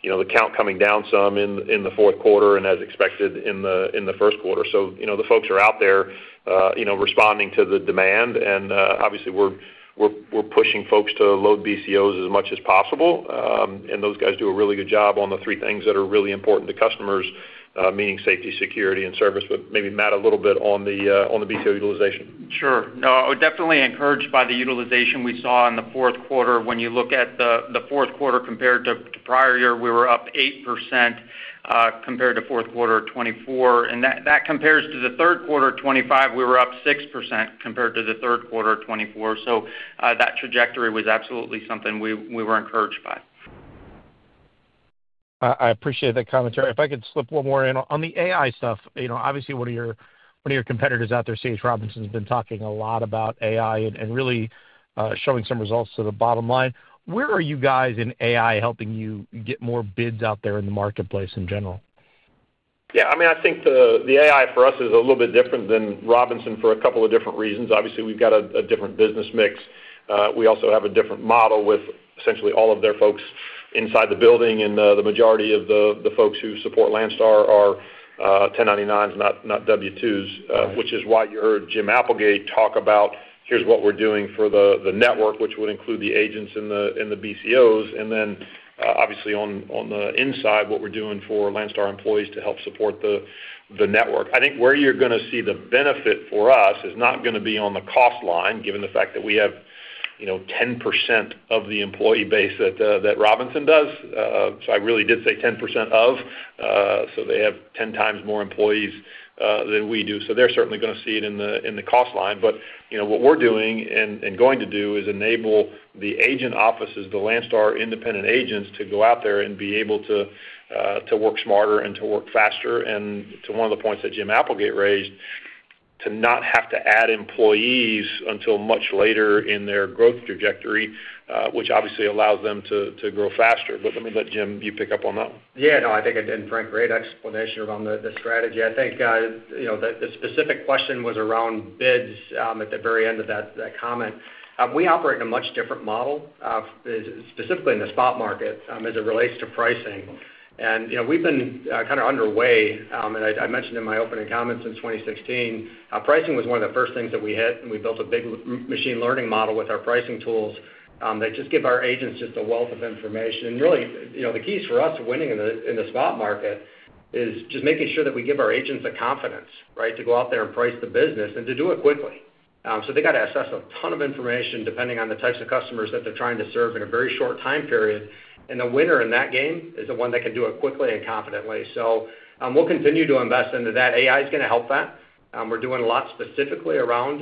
Speaker 3: you know the count coming down some in the fourth quarter and as expected in the first quarter. So, you know, the folks are out there you know responding to the demand. And obviously, we're pushing folks to load BCOs as much as possible. And those guys do a really good job on the three things that are really important to customers, meaning safety, security, and service. But maybe, Matt, a little bit on the BCO utilization.
Speaker 6: Sure. No, I would definitely encouraged by the utilization we saw in the fourth quarter. When you look at the fourth quarter compared to prior year, we were up 8%, compared to fourth quarter of 2024. And that compares to the third quarter of 2025, we were up 6% compared to the third quarter of 2024. So, that trajectory was absolutely something we were encouraged by.
Speaker 5: I appreciate that commentary. If I could slip one more in. On the AI stuff, you know, obviously, one of your, one of your competitors out there, C.H. Robinson, has been talking a lot about AI and, and really, showing some results to the bottom line. Where are you guys in AI helping you get more bids out there in the marketplace in general?
Speaker 3: Yeah, I mean, I think the AI for us is a little bit different than Robinson for a couple of different reasons. Obviously, we've got a different business mix. We also have a different model with essentially all of their folks inside the building, and the majority of the folks who support Landstar are 1099s, not W-2s, which is why you heard Jim Applegate talk about, here's what we're doing for the network, which would include the agents in the BCOs. And then, obviously, on the inside, what we're doing for Landstar employees to help support the network. I think where you're going to see the benefit for us is not going to be on the cost line, given the fact that we have, you know, 10% of the employee base that Robinson does. So I really did say 10% of, so they have 10 times more employees than we do. So they're certainly going to see it in the cost line. But, you know, what we're doing and going to do is enable the agent offices, the Landstar independent agents, to go out there and be able to work smarter and to work faster, and to one of the points that Jim Applegate raised, to not have to add employees until much later in their growth trajectory, which obviously allows them to grow faster. But let me, Jim, you pick up on that one.
Speaker 4: Yeah, no, I think, and Frank, great explanation around the, the strategy. I think, you know, the, the specific question was around bids at the very end of that, that comment. We operate in a much different model, specifically in the spot market, as it relates to pricing. And, you know, we've been kind of underway, and I mentioned in my opening comments, since 2016, pricing was one of the first things that we hit, and we built a big machine learning model with our pricing tools, that just give our agents just a wealth of information. And really, you know, the keys for us winning in the, in the spot market is just making sure that we give our agents the confidence, right, to go out there and price the business and to do it quickly. So they got to assess a ton of information, depending on the types of customers that they're trying to serve in a very short time period. And the winner in that game is the one that can do it quickly and confidently. So, we'll continue to invest into that. AI is going to help that. We're doing a lot specifically around,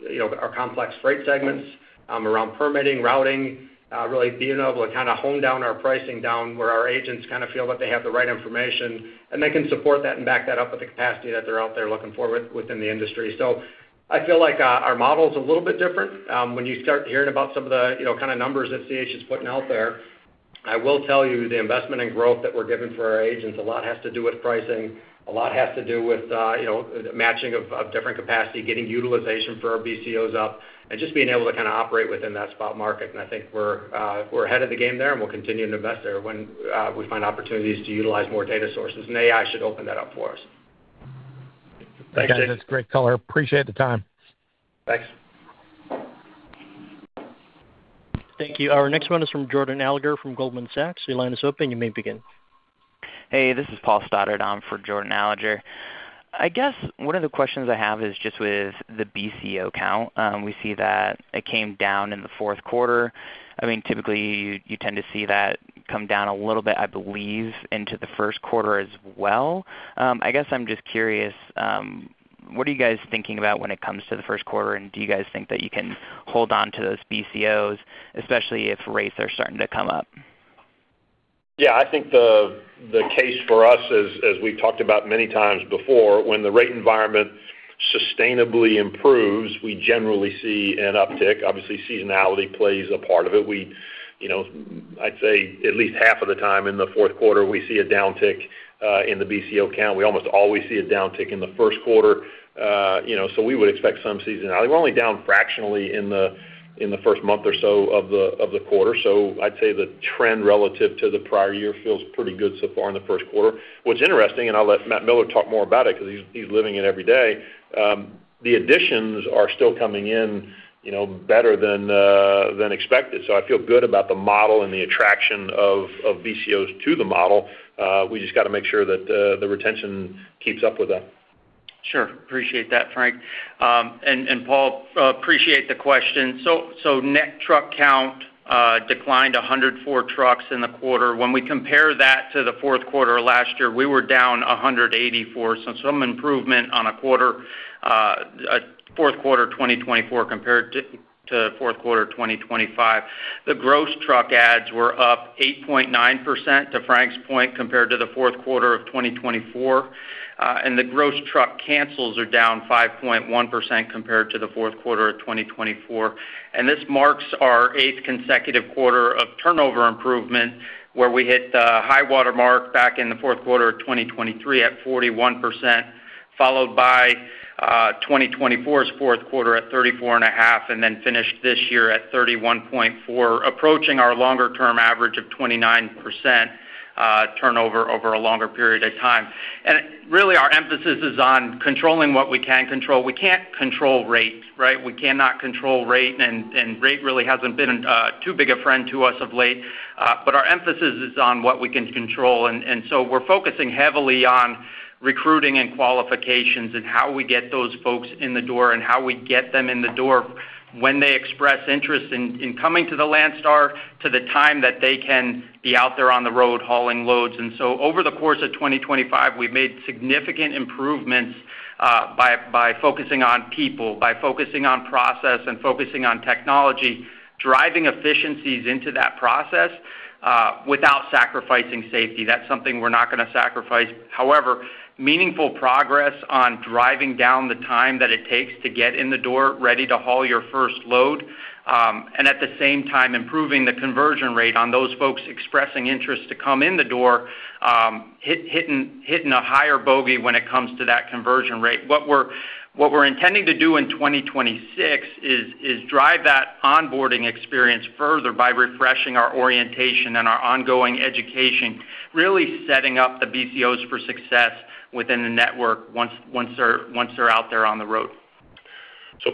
Speaker 4: you know, our complex freight segments, around permitting, routing, really being able to kind of hone down our pricing down, where our agents kind of feel that they have the right information, and they can support that and back that up with the capacity that they're out there looking for within the industry. So I feel like, our model is a little bit different. When you start hearing about some of the, you know, kind of numbers that CH is putting out there, I will tell you, the investment in growth that we're giving for our agents, a lot has to do with pricing. A lot has to do with, you know, matching of different capacity, getting utilization for our BCOs up, and just being able to kind of operate within that spot market. And I think we're ahead of the game there, and we'll continue to invest there when we find opportunities to utilize more data sources, and AI should open that up for us.
Speaker 3: Thank you.
Speaker 5: That's great color. Appreciate the time.
Speaker 4: Thanks.
Speaker 1: Thank you. Our next one is from Jordan Alliger from Goldman Sachs. Your line is open, you may begin.
Speaker 7: Hey, this is Paul Stoddard. I'm covering for Jordan Alliger. I guess one of the questions I have is just with the BCO count. We see that it came down in the fourth quarter. I mean, typically, you, you tend to see that come down a little bit, I believe, into the first quarter as well. I guess I'm just curious, what are you guys thinking about when it comes to the first quarter? And do you guys think that you can hold onto those BCOs, especially if rates are starting to come up?
Speaker 3: Yeah, I think the case for us as we've talked about many times before, when the rate environment sustainably improves, we generally see an uptick. Obviously, seasonality plays a part of it. We, you know, I'd say at least half of the time in the fourth quarter, we see a downtick in the BCO count. We almost always see a downtick in the first quarter, you know, so we would expect some seasonality. We're only down fractionally in the first quarter. So I'd say the trend relative to the prior year feels pretty good so far in the first quarter. What's interesting, and I'll let Matt Miller talk more about it because he's living it every day, the additions are still coming in, you know, better than expected. So I feel good about the model and the attraction of, of BCOs to the model. We just got to make sure that, the retention keeps up with that.
Speaker 6: Sure. Appreciate that, Frank. And Paul, appreciate the question. So net truck count declined 104 trucks in the quarter. When we compare that to the fourth quarter of last year, we were down 184, so some improvement on a quarter, fourth quarter 2024 compared to fourth quarter 2025. The gross truck adds were up 8.9%, to Frank's point, compared to the fourth quarter of 2024, and the gross truck cancels are down 5.1% compared to the fourth quarter of 2024. This marks our eighth consecutive quarter of turnover improvement, where we hit the high-water mark back in the fourth quarter of 2023 at 41%, followed by 2024's fourth quarter at 34.5%, and then finished this year at 31.4%, approaching our longer-term average of 29% turnover over a longer period of time. Really, our emphasis is on controlling what we can control. We can't control rates, right? We cannot control rate, and rate really hasn't been too big a friend to us of late, but our emphasis is on what we can control. So we're focusing heavily on recruiting and qualifications and how we get those folks in the door, and how we get them in the door when they express interest in coming to the Landstar, to the time that they can be out there on the road hauling loads. And so over the course of 2025, we've made significant improvements by focusing on people, by focusing on process, and focusing on technology, driving efficiencies into that process, without sacrificing safety. That's something we're not going to sacrifice. However, meaningful progress on driving down the time that it takes to get in the door, ready to haul your first load, and at the same time, improving the conversion rate on those folks expressing interest to come in the door, hitting a higher bogey when it comes to that conversion rate. What we're intending to do in 2026 is drive that onboarding experience further by refreshing our orientation and our ongoing education, really setting up the BCOs for success within the network once they're out there on the road.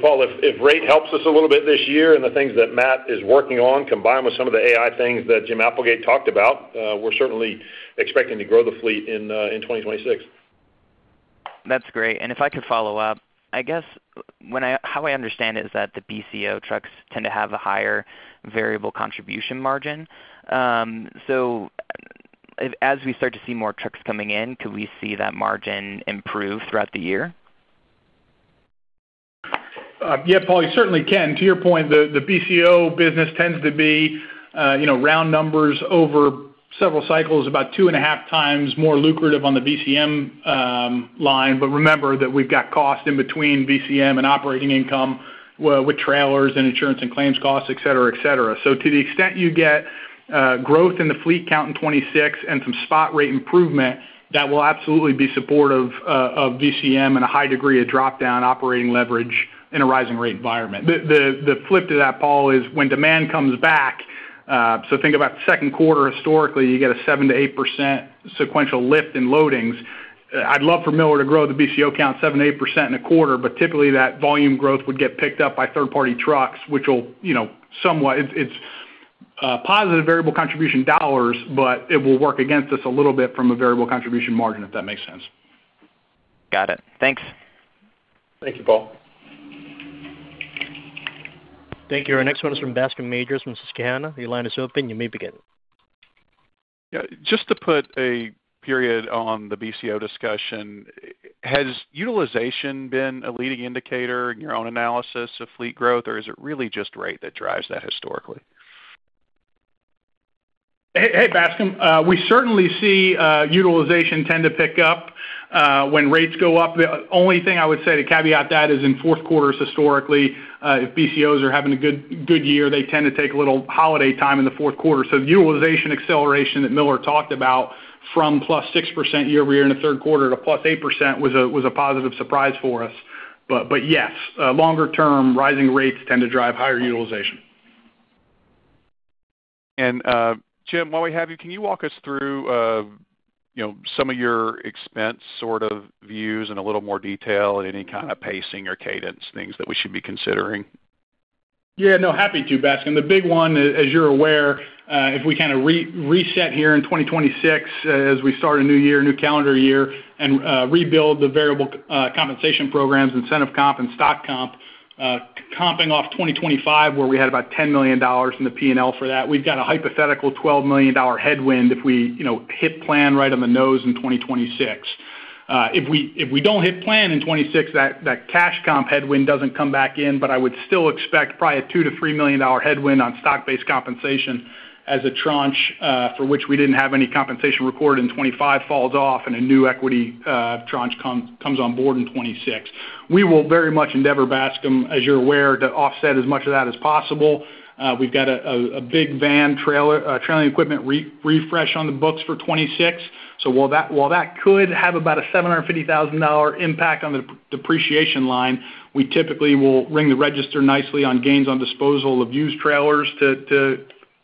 Speaker 3: Paul, if rate helps us a little bit this year and the things that Matt is working on, combined with some of the AI things that Jim Applegate talked about, we're certainly expecting to grow the fleet in 2026.
Speaker 7: That's great. If I could follow-up, I guess how I understand it is that the BCO trucks tend to have a higher variable contribution margin. So as we start to see more trucks coming in, could we see that margin improve throughout the year?
Speaker 2: Yeah, Paul, you certainly can. To your point, the BCO business tends to be, you know, round numbers over several cycles, about 2.5 times more lucrative on the VCM line. But remember that we've got cost in between VCM and operating income, with trailers and insurance and claims costs, et cetera, et cetera. So to the extent you get growth in the fleet count in 2026 and some spot rate improvement, that will absolutely be supportive of VCM and a high degree of drop-down operating leverage in a rising rate environment. The flip to that, Paul, is when demand comes back, so think about the second quarter, historically, you get a 7%-8% sequential lift in loadings. I'd love for Miller to grow the BCO count 7%-8% in a quarter, but typically that volume growth would get picked up by third-party trucks, which will, you know, somewhat... It's positive variable contribution dollars, but it will work against us a little bit from a variable contribution margin, if that makes sense.
Speaker 7: Got it. Thanks.
Speaker 3: Thank you, Paul.
Speaker 1: Thank you. Our next one is from Bascome Majors from Susquehanna. The line is open. You may begin.
Speaker 8: Yeah, just to put a period on the BCO discussion, has utilization been a leading indicator in your own analysis of fleet growth, or is it really just rate that drives that historically?
Speaker 2: Hey, Hey, Bascome. We certainly see, utilization tend to pick up, when rates go up. The only thing I would say to caveat that is in fourth quarters, historically, if BCOs are having a good, good year, they tend to take a little holiday time in the fourth quarter. So the utilization acceleration that Miller talked about from +6% year-over-year in the third quarter to +8% was a, was a positive surprise for us. But, but yes, longer term, rising rates tend to drive higher utilization.
Speaker 8: Jim, while we have you, can you walk us through, you know, some of your expense sort of views in a little more detail and any kind of pacing or cadence, things that we should be considering?...
Speaker 2: Yeah, no, happy to, Bascome. The big one, as you're aware, if we kind of reset here in 2026 as we start a new year, new calendar year, and rebuild the variable compensation programs, incentive comp and stock comp, coming off 2025, where we had about $10 million in the P&L for that, we've got a hypothetical $12 million headwind if we, you know, hit plan right on the nose in 2026. If we, if we don't hit plan in 2026, that, that cash comp headwind doesn't come back in, but I would still expect probably a $2 million-$3 million headwind on stock-based compensation as a tranche for which we didn't have any compensation recorded in 2025 falls off, and a new equity tranche comes on board in 2026. We will very much endeavor, Bascome, as you're aware, to offset as much of that as possible. We've got a big van trailer trailing equipment refresh on the books for 2026. So while that could have about a $750,000 impact on the depreciation line, we typically will ring the register nicely on gains on disposal of used trailers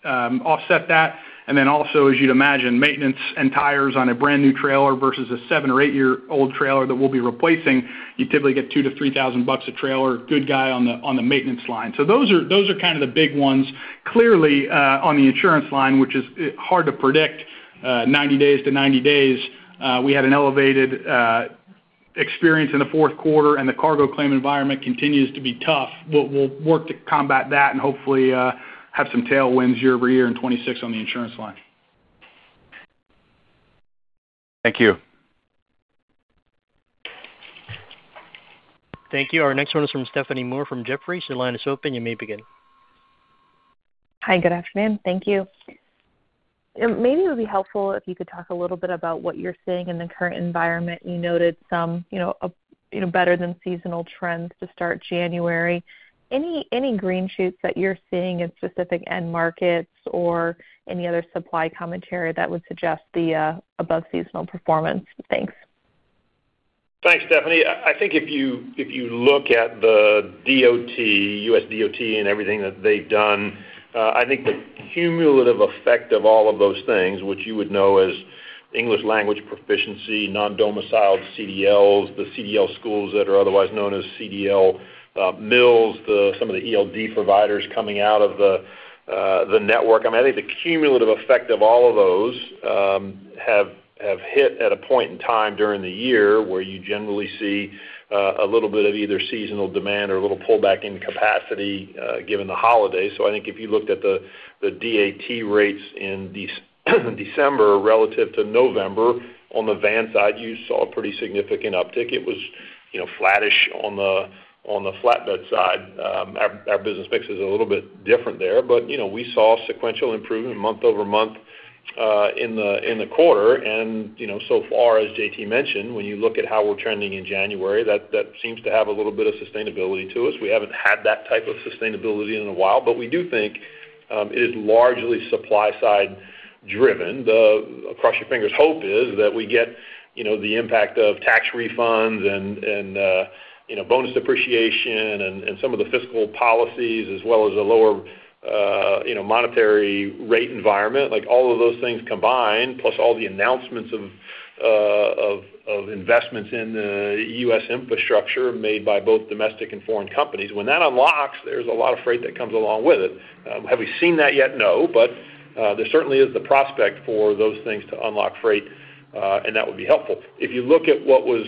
Speaker 2: to offset that. And then also, as you'd imagine, maintenance and tires on a brand-new trailer versus a seven or eight-year-old trailer that we'll be replacing, you typically get $2,000-$3,000 a trailer, good guy on the maintenance line. So those are kind of the big ones. Clearly, on the insurance line, which is, hard to predict, 90 days to 90 days, we had an elevated, experience in the fourth quarter, and the cargo claim environment continues to be tough. We'll, we'll work to combat that and hopefully, have some tailwinds year over year in 2026 on the insurance line.
Speaker 8: Thank you.
Speaker 1: Thank you. Our next one is from Stephanie Moore from Jefferies. Your line is open, you may begin.
Speaker 9: Hi, good afternoon. Thank you. Maybe it would be helpful if you could talk a little bit about what you're seeing in the current environment. You noted some, you know, better than seasonal trends to start January. Any green shoots that you're seeing in specific end markets or any other supply commentary that would suggest the above seasonal performance? Thanks.
Speaker 3: Thanks, Stephanie. I think if you look at the DOT, U.S. DOT and everything that they've done, I think the cumulative effect of all of those things, which you would know as English language proficiency, non-domiciled CDLs, the CDL schools that are otherwise known as CDL mills, some of the ELD providers coming out of the network. I mean, I think the cumulative effect of all of those have hit at a point in time during the year where you generally see a little bit of either seasonal demand or a little pullback in capacity given the holidays. So I think if you looked at the DAT rates in December relative to November, on the van side, you saw a pretty significant uptick. It was, you know, flattish on the flatbed side. Our business mix is a little bit different there, but you know, we saw sequential improvement month-over-month in the quarter. You know, so far, as JT mentioned, when you look at how we're trending in January, that seems to have a little bit of sustainability to us. We haven't had that type of sustainability in a while, but we do think it is largely supply-side driven. The cross-your-fingers hope is that we get you know, the impact of tax refunds and bonus depreciation and some of the fiscal policies, as well as a lower you know, monetary rate environment. Like, all of those things combined, plus all the announcements of investments in U.S. infrastructure made by both domestic and foreign companies. When that unlocks, there's a lot of freight that comes along with it. Have we seen that yet? No. But there certainly is the prospect for those things to unlock freight, and that would be helpful. If you look at what was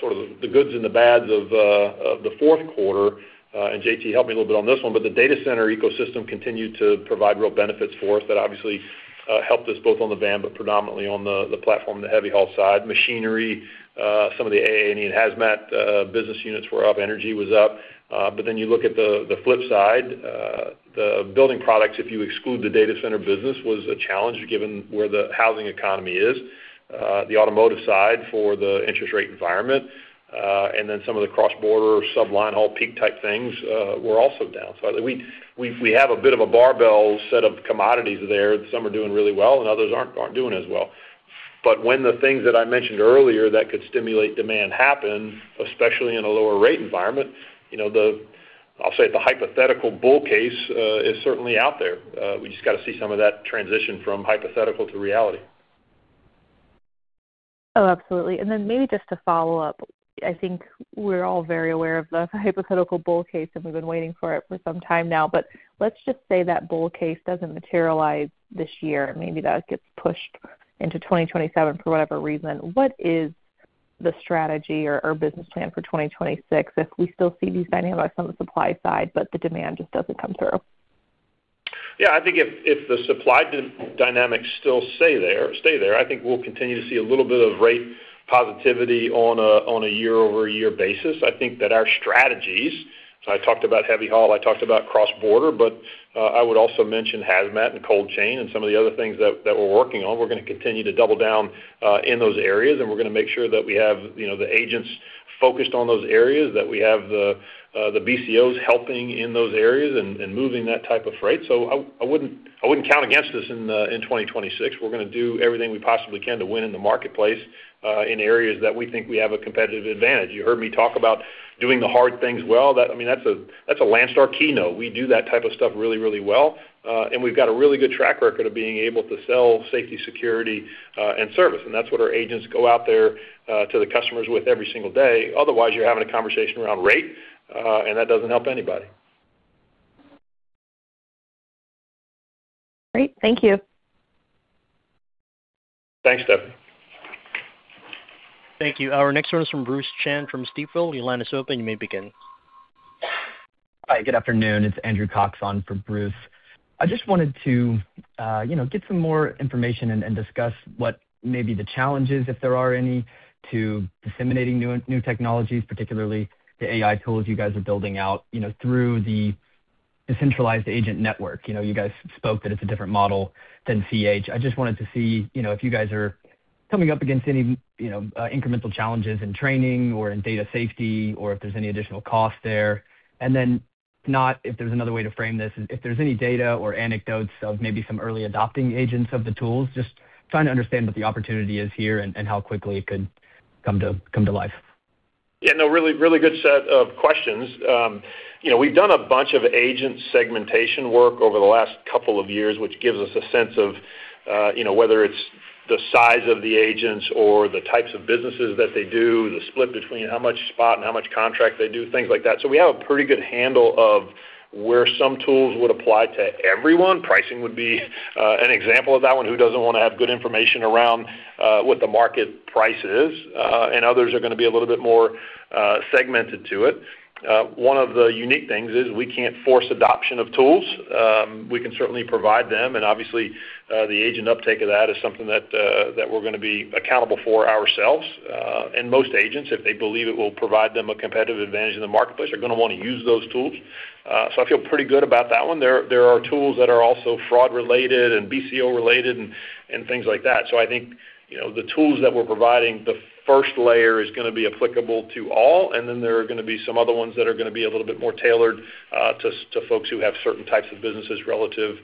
Speaker 3: sort of the goods and the bads of the fourth quarter, and JT, help me a little bit on this one, but the data center ecosystem continued to provide real benefits for us. That obviously helped us both on the van, but predominantly on the platform, the heavy haul side. Machinery, some of the AA&E and HAZMAT business units were up, energy was up. But then you look at the flip side, the building products, if you exclude the data center business, was a challenge, given where the housing economy is. The automotive side for the interest rate environment, and then some of the cross-border, sub-linehaul peak-type things, were also down. So I think we have a bit of a barbell set of commodities there. Some are doing really well, and others aren't doing as well. But when the things that I mentioned earlier that could stimulate demand happen, especially in a lower rate environment, you know, the... I'll say the hypothetical bull case is certainly out there. We just got to see some of that transition from hypothetical to reality.
Speaker 9: Oh, absolutely. And then maybe just to follow-up, I think we're all very aware of the hypothetical bull case, and we've been waiting for it for some time now. But let's just say that bull case doesn't materialize this year. Maybe that gets pushed into 2027 for whatever reason. What is the strategy or, or business plan for 2026 if we still see these dynamics on the supply side, but the demand just doesn't come through?
Speaker 3: Yeah, I think if the supply dynamics still stay there, I think we'll continue to see a little bit of rate positivity on a year-over-year basis. I think that our strategies, so I talked about heavy haul, I talked about cross-border, but I would also mention HAZMAT and cold chain and some of the other things that we're working on. We're going to continue to double down in those areas, and we're going to make sure that we have, you know, the agents focused on those areas, that we have the BCOs helping in those areas and moving that type of freight. So I wouldn't count against us in 2026. We're going to do everything we possibly can to win in the marketplace, in areas that we think we have a competitive advantage. You heard me talk about doing the hard things well. That - I mean, that's a, that's a Landstar keynote. We do that type of stuff really, really well, and we've got a really good track record of being able to sell safety, security, and service, and that's what our agents go out there to the customers with every single day. Otherwise, you're having a conversation around rate, and that doesn't help anybody....
Speaker 9: Great. Thank you.
Speaker 3: Thanks, Stephanie.
Speaker 1: Thank you. Our next one is from Bruce Chan from Stifel. Your line is open, you may begin.
Speaker 10: Hi, good afternoon. It's Andrew Cox on for Bruce. I just wanted to, you know, get some more information and, and discuss what may be the challenges, if there are any, to disseminating new, new technologies, particularly the AI tools you guys are building out, you know, through the decentralized agent network. You know, you guys spoke that it's a different model than C.H. I just wanted to see, you know, if you guys are coming up against any, you know, incremental challenges in training or in data safety, or if there's any additional cost there. And then, if not, if there's another way to frame this, if there's any data or anecdotes of maybe some early adopting agents of the tools, just trying to understand what the opportunity is here and, and how quickly it could come to, come to life.
Speaker 3: Yeah, no, really, really good set of questions. You know, we've done a bunch of agent segmentation work over the last couple of years, which gives us a sense of, you know, whether it's the size of the agents or the types of businesses that they do, the split between how much spot and how much contract they do, things like that. So we have a pretty good handle of where some tools would apply to everyone. Pricing would be an example of that one. Who doesn't want to have good information around what the market price is? And others are going to be a little bit more segmented to it. One of the unique things is we can't force adoption of tools. We can certainly provide them, and obviously, the agent uptake of that is something that, that we're going to be accountable for ourselves. And most agents, if they believe it will provide them a competitive advantage in the marketplace, are going to want to use those tools. So I feel pretty good about that one. There, there are tools that are also fraud related and BCO related and, and things like that. So I think, you know, the tools that we're providing, the first layer is going to be applicable to all, and then there are going to be some other ones that are going to be a little bit more tailored, to folks who have certain types of businesses relative,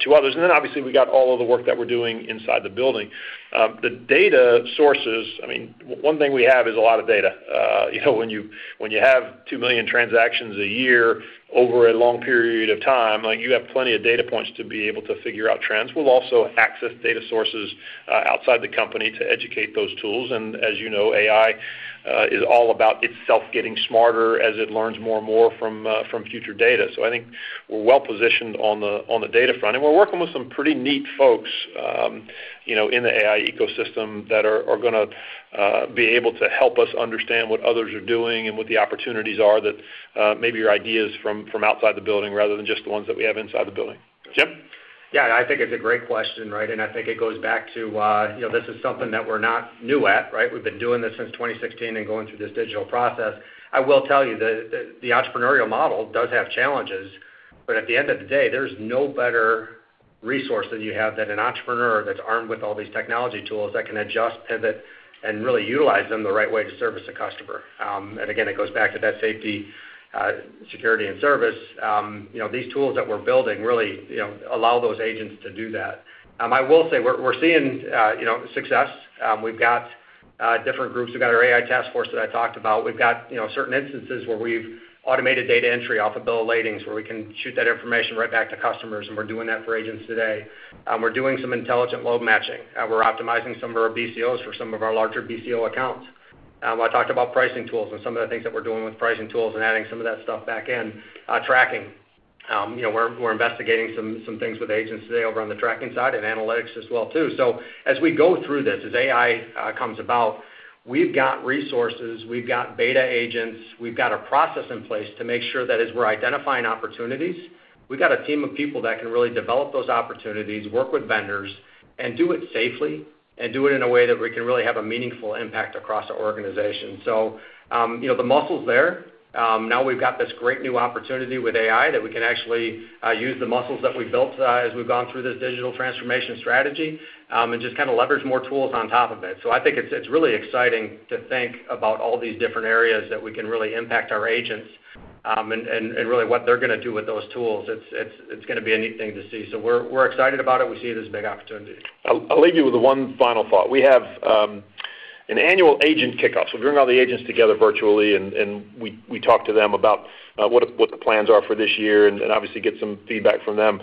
Speaker 3: to others. And then obviously, we got all of the work that we're doing inside the building. The data sources, I mean, one thing we have is a lot of data. You know, when you, when you have two million transactions a year over a long period of time, like, you have plenty of data points to be able to figure out trends. We'll also access data sources outside the company to educate those tools. As you know, AI is all about itself getting smarter as it learns more and more from future data. I think we're well-positioned on the data front, and we're working with some pretty neat folks, you know, in the AI ecosystem that are going to be able to help us understand what others are doing and what the opportunities are that maybe are ideas from outside the building rather than just the ones that we have inside the building. Jim?
Speaker 4: Yeah, I think it's a great question, right? And I think it goes back to, you know, this is something that we're not new at, right? We've been doing this since 2016 and going through this digital process. I will tell you that the entrepreneurial model does have challenges, but at the end of the day, there's no better resource that you have than an entrepreneur that's armed with all these technology tools that can adjust, pivot, and really utilize them the right way to service a customer. And again, it goes back to that safety, security, and service. You know, these tools that we're building really, you know, allow those agents to do that. I will say we're seeing, you know, success. We've got different groups. We've got our AI task force that I talked about. We've got, you know, certain instances where we've automated data entry off of bills of lading, where we can shoot that information right back to customers, and we're doing that for agents today. We're doing some intelligent load matching. We're optimizing some of our BCOs for some of our larger BCO accounts. I talked about pricing tools and some of the things that we're doing with pricing tools and adding some of that stuff back in. Tracking. You know, we're investigating some things with agents today over on the tracking side and analytics as well, too. So as we go through this, as AI comes about, we've got resources, we've got beta agents, we've got a process in place to make sure that as we're identifying opportunities, we've got a team of people that can really develop those opportunities, work with vendors, and do it safely and do it in a way that we can really have a meaningful impact across our organization. So, you know, the muscle's there. Now we've got this great new opportunity with AI, that we can actually use the muscles that we've built, as we've gone through this digital transformation strategy, and just kind of leverage more tools on top of it. So I think it's really exciting to think about all these different areas that we can really impact our agents, and really what they're going to do with those tools. It's going to be a neat thing to see. So we're excited about it. We see it as a big opportunity.
Speaker 3: I'll leave you with one final thought. We have an annual agent kickoff, so we bring all the agents together virtually and we talk to them about what the plans are for this year and obviously get some feedback from them.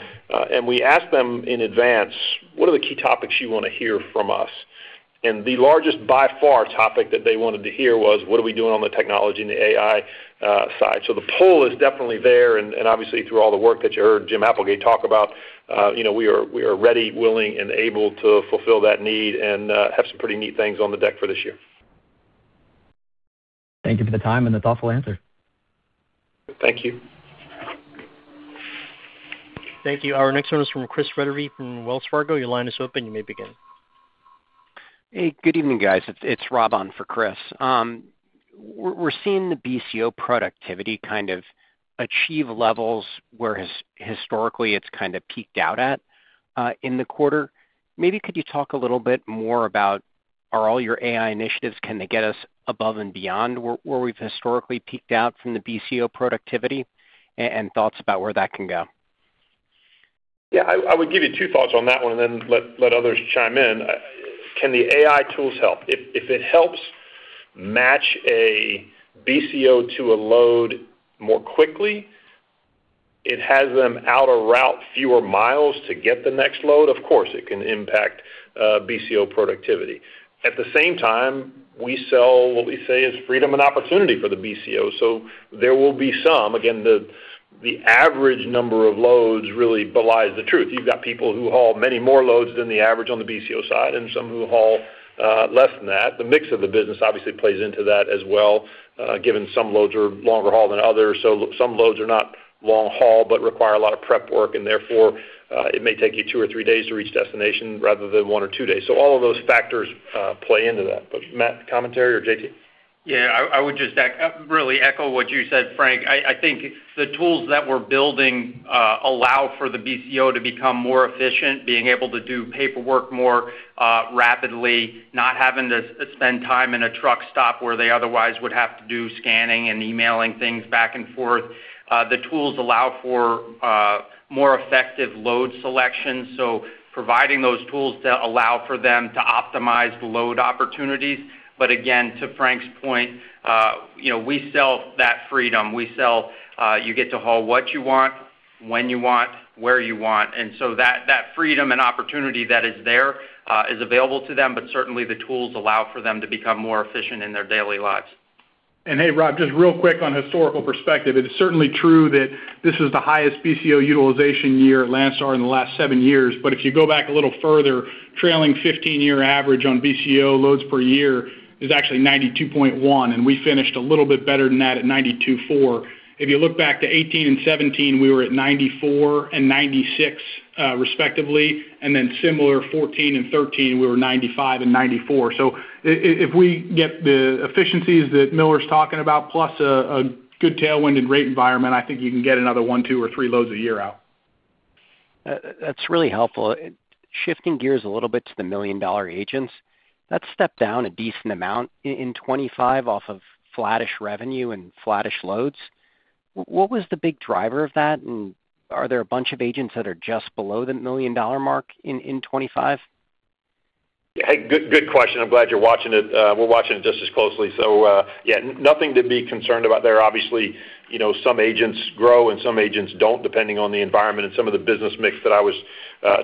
Speaker 3: And we ask them in advance, "What are the key topics you want to hear from us?" And the largest, by far, topic that they wanted to hear was: What are we doing on the technology and the AI side? So the pull is definitely there, and obviously, through all the work that you heard Jim Applegate talk about, you know, we are ready, willing, and able to fulfill that need and have some pretty neat things on the deck for this year.
Speaker 10: Thank you for the time and the thoughtful answer.
Speaker 3: Thank you.
Speaker 1: Thank you. Our next one is from Chris Wetherbee from Wells Fargo. Your line is open, you may begin.
Speaker 11: Hey, good evening, guys. It's Rob on for Chris. We're seeing the BCO productivity kind of achieve levels where historically it's kind of peaked out at in the quarter. Maybe could you talk a little bit more about, are all your AI initiatives, can they get us above and beyond where we've historically peaked out from the BCO productivity, and thoughts about where that can go?
Speaker 3: Yeah, I would give you two thoughts on that one, and then let others chime in. Can the AI tools help? If it helps match a BCO to a load more quickly, it has them out a route fewer miles to get the next load, of course, it can impact BCO productivity. At the same time, we sell what we say is freedom and opportunity for the BCO, so there will be some.... Again, the average number of loads really belies the truth. You've got people who haul many more loads than the average on the BCO side, and some who haul less than that. The mix of the business obviously plays into that as well, given some loads are longer haul than others, so some loads are not long haul, but require a lot of prep work, and therefore, it may take you two or three days to reach destination rather than one or two days. So all of those factors play into that. But Matt, commentary or JT?
Speaker 6: Yeah, I would just really echo what you said, Frank. I think the tools that we're building allow for the BCO to become more efficient, being able to do paperwork more rapidly, not having to spend time in a truck stop where they otherwise would have to do scanning and emailing things back and forth. The tools allow for more effective load selection, so providing those tools to allow for them to optimize load opportunities. But again, to Frank's point, you know, we sell that freedom. We sell you get to haul what you want, when you want, where you want. And so that freedom and opportunity that is there is available to them, but certainly, the tools allow for them to become more efficient in their daily lives.
Speaker 2: Hey, Rob, just real quick on historical perspective. It is certainly true that this is the highest BCO utilization year at Landstar in the last seven years. But if you go back a little further, trailing 15-year average on BCO loads per year is actually 92.1, and we finished a little bit better than that at 92.4. If you look back to 2018 and 2017, we were at 94 and 96, respectively, and then similar, 2014 and 2013, we were 95 and 94. So if we get the efficiencies that Miller's talking about, plus a good tailwind and rate environment, I think you can get another one, two, or three loads a year out.
Speaker 11: That's really helpful. Shifting gears a little bit to the Million Dollar Agents, that stepped down a decent amount in 2025 off of flattish revenue and flattish loads. What was the big driver of that, and are there a bunch of agents that are just below the million-dollar mark in 2025?
Speaker 3: Hey, good, good question. I'm glad you're watching it... We're watching it just as closely. So, yeah, nothing to be concerned about there. Obviously, you know, some agents grow and some agents don't, depending on the environment and some of the business mix that I was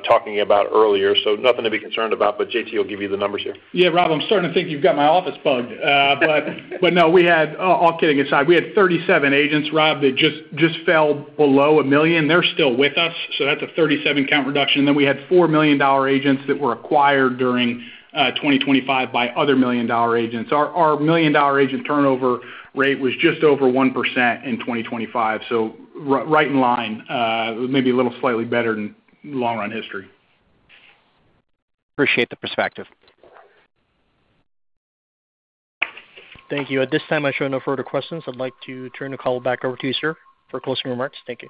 Speaker 3: talking about earlier, so nothing to be concerned about, but JT will give you the numbers here.
Speaker 2: Yeah, Rob, I'm starting to think you've got my office bugged. But no, all kidding aside, we had 37 agents, Rob, that just fell below $1 million. They're still with us, so that's a 37 count reduction. Then we had four Million Dollar Agents that were acquired during 2025 by other Million Dollar Agents. Our Million Dollar Agent turnover rate was just over 1% in 2025, so right in line, maybe a little slightly better than long-run history.
Speaker 11: Appreciate the perspective.
Speaker 1: Thank you. At this time, I show no further questions. I'd like to turn the call back over to you, sir, for closing remarks. Thank you.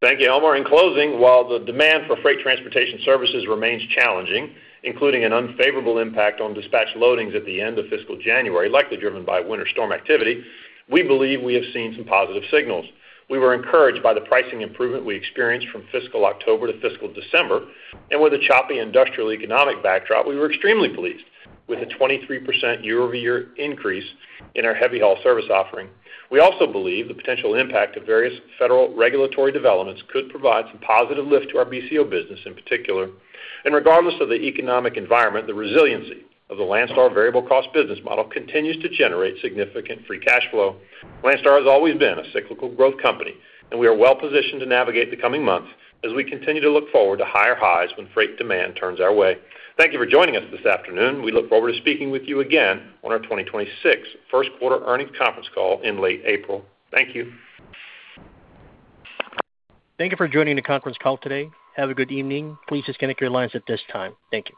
Speaker 3: Thank you, Elmer. In closing, while the demand for freight transportation services remains challenging, including an unfavorable impact on dispatch loadings at the end of fiscal January, likely driven by winter storm activity, we believe we have seen some positive signals. We were encouraged by the pricing improvement we experienced from fiscal October to fiscal December, and with a choppy industrial economic backdrop, we were extremely pleased with the 23% year-over-year increase in our heavy haul service offering. We also believe the potential impact of various federal regulatory developments could provide some positive lift to our BCO business in particular. Regardless of the economic environment, the resiliency of the Landstar variable cost business model continues to generate significant free cash flow. Landstar has always been a cyclical growth company, and we are well-positioned to navigate the coming months as we continue to look forward to higher highs when freight demand turns our way. Thank you for joining us this afternoon. We look forward to speaking with you again on our 2026 first quarter earnings conference call in late April. Thank you.
Speaker 1: Thank you for joining the conference call today. Have a good evening. Please disconnect your lines at this time. Thank you.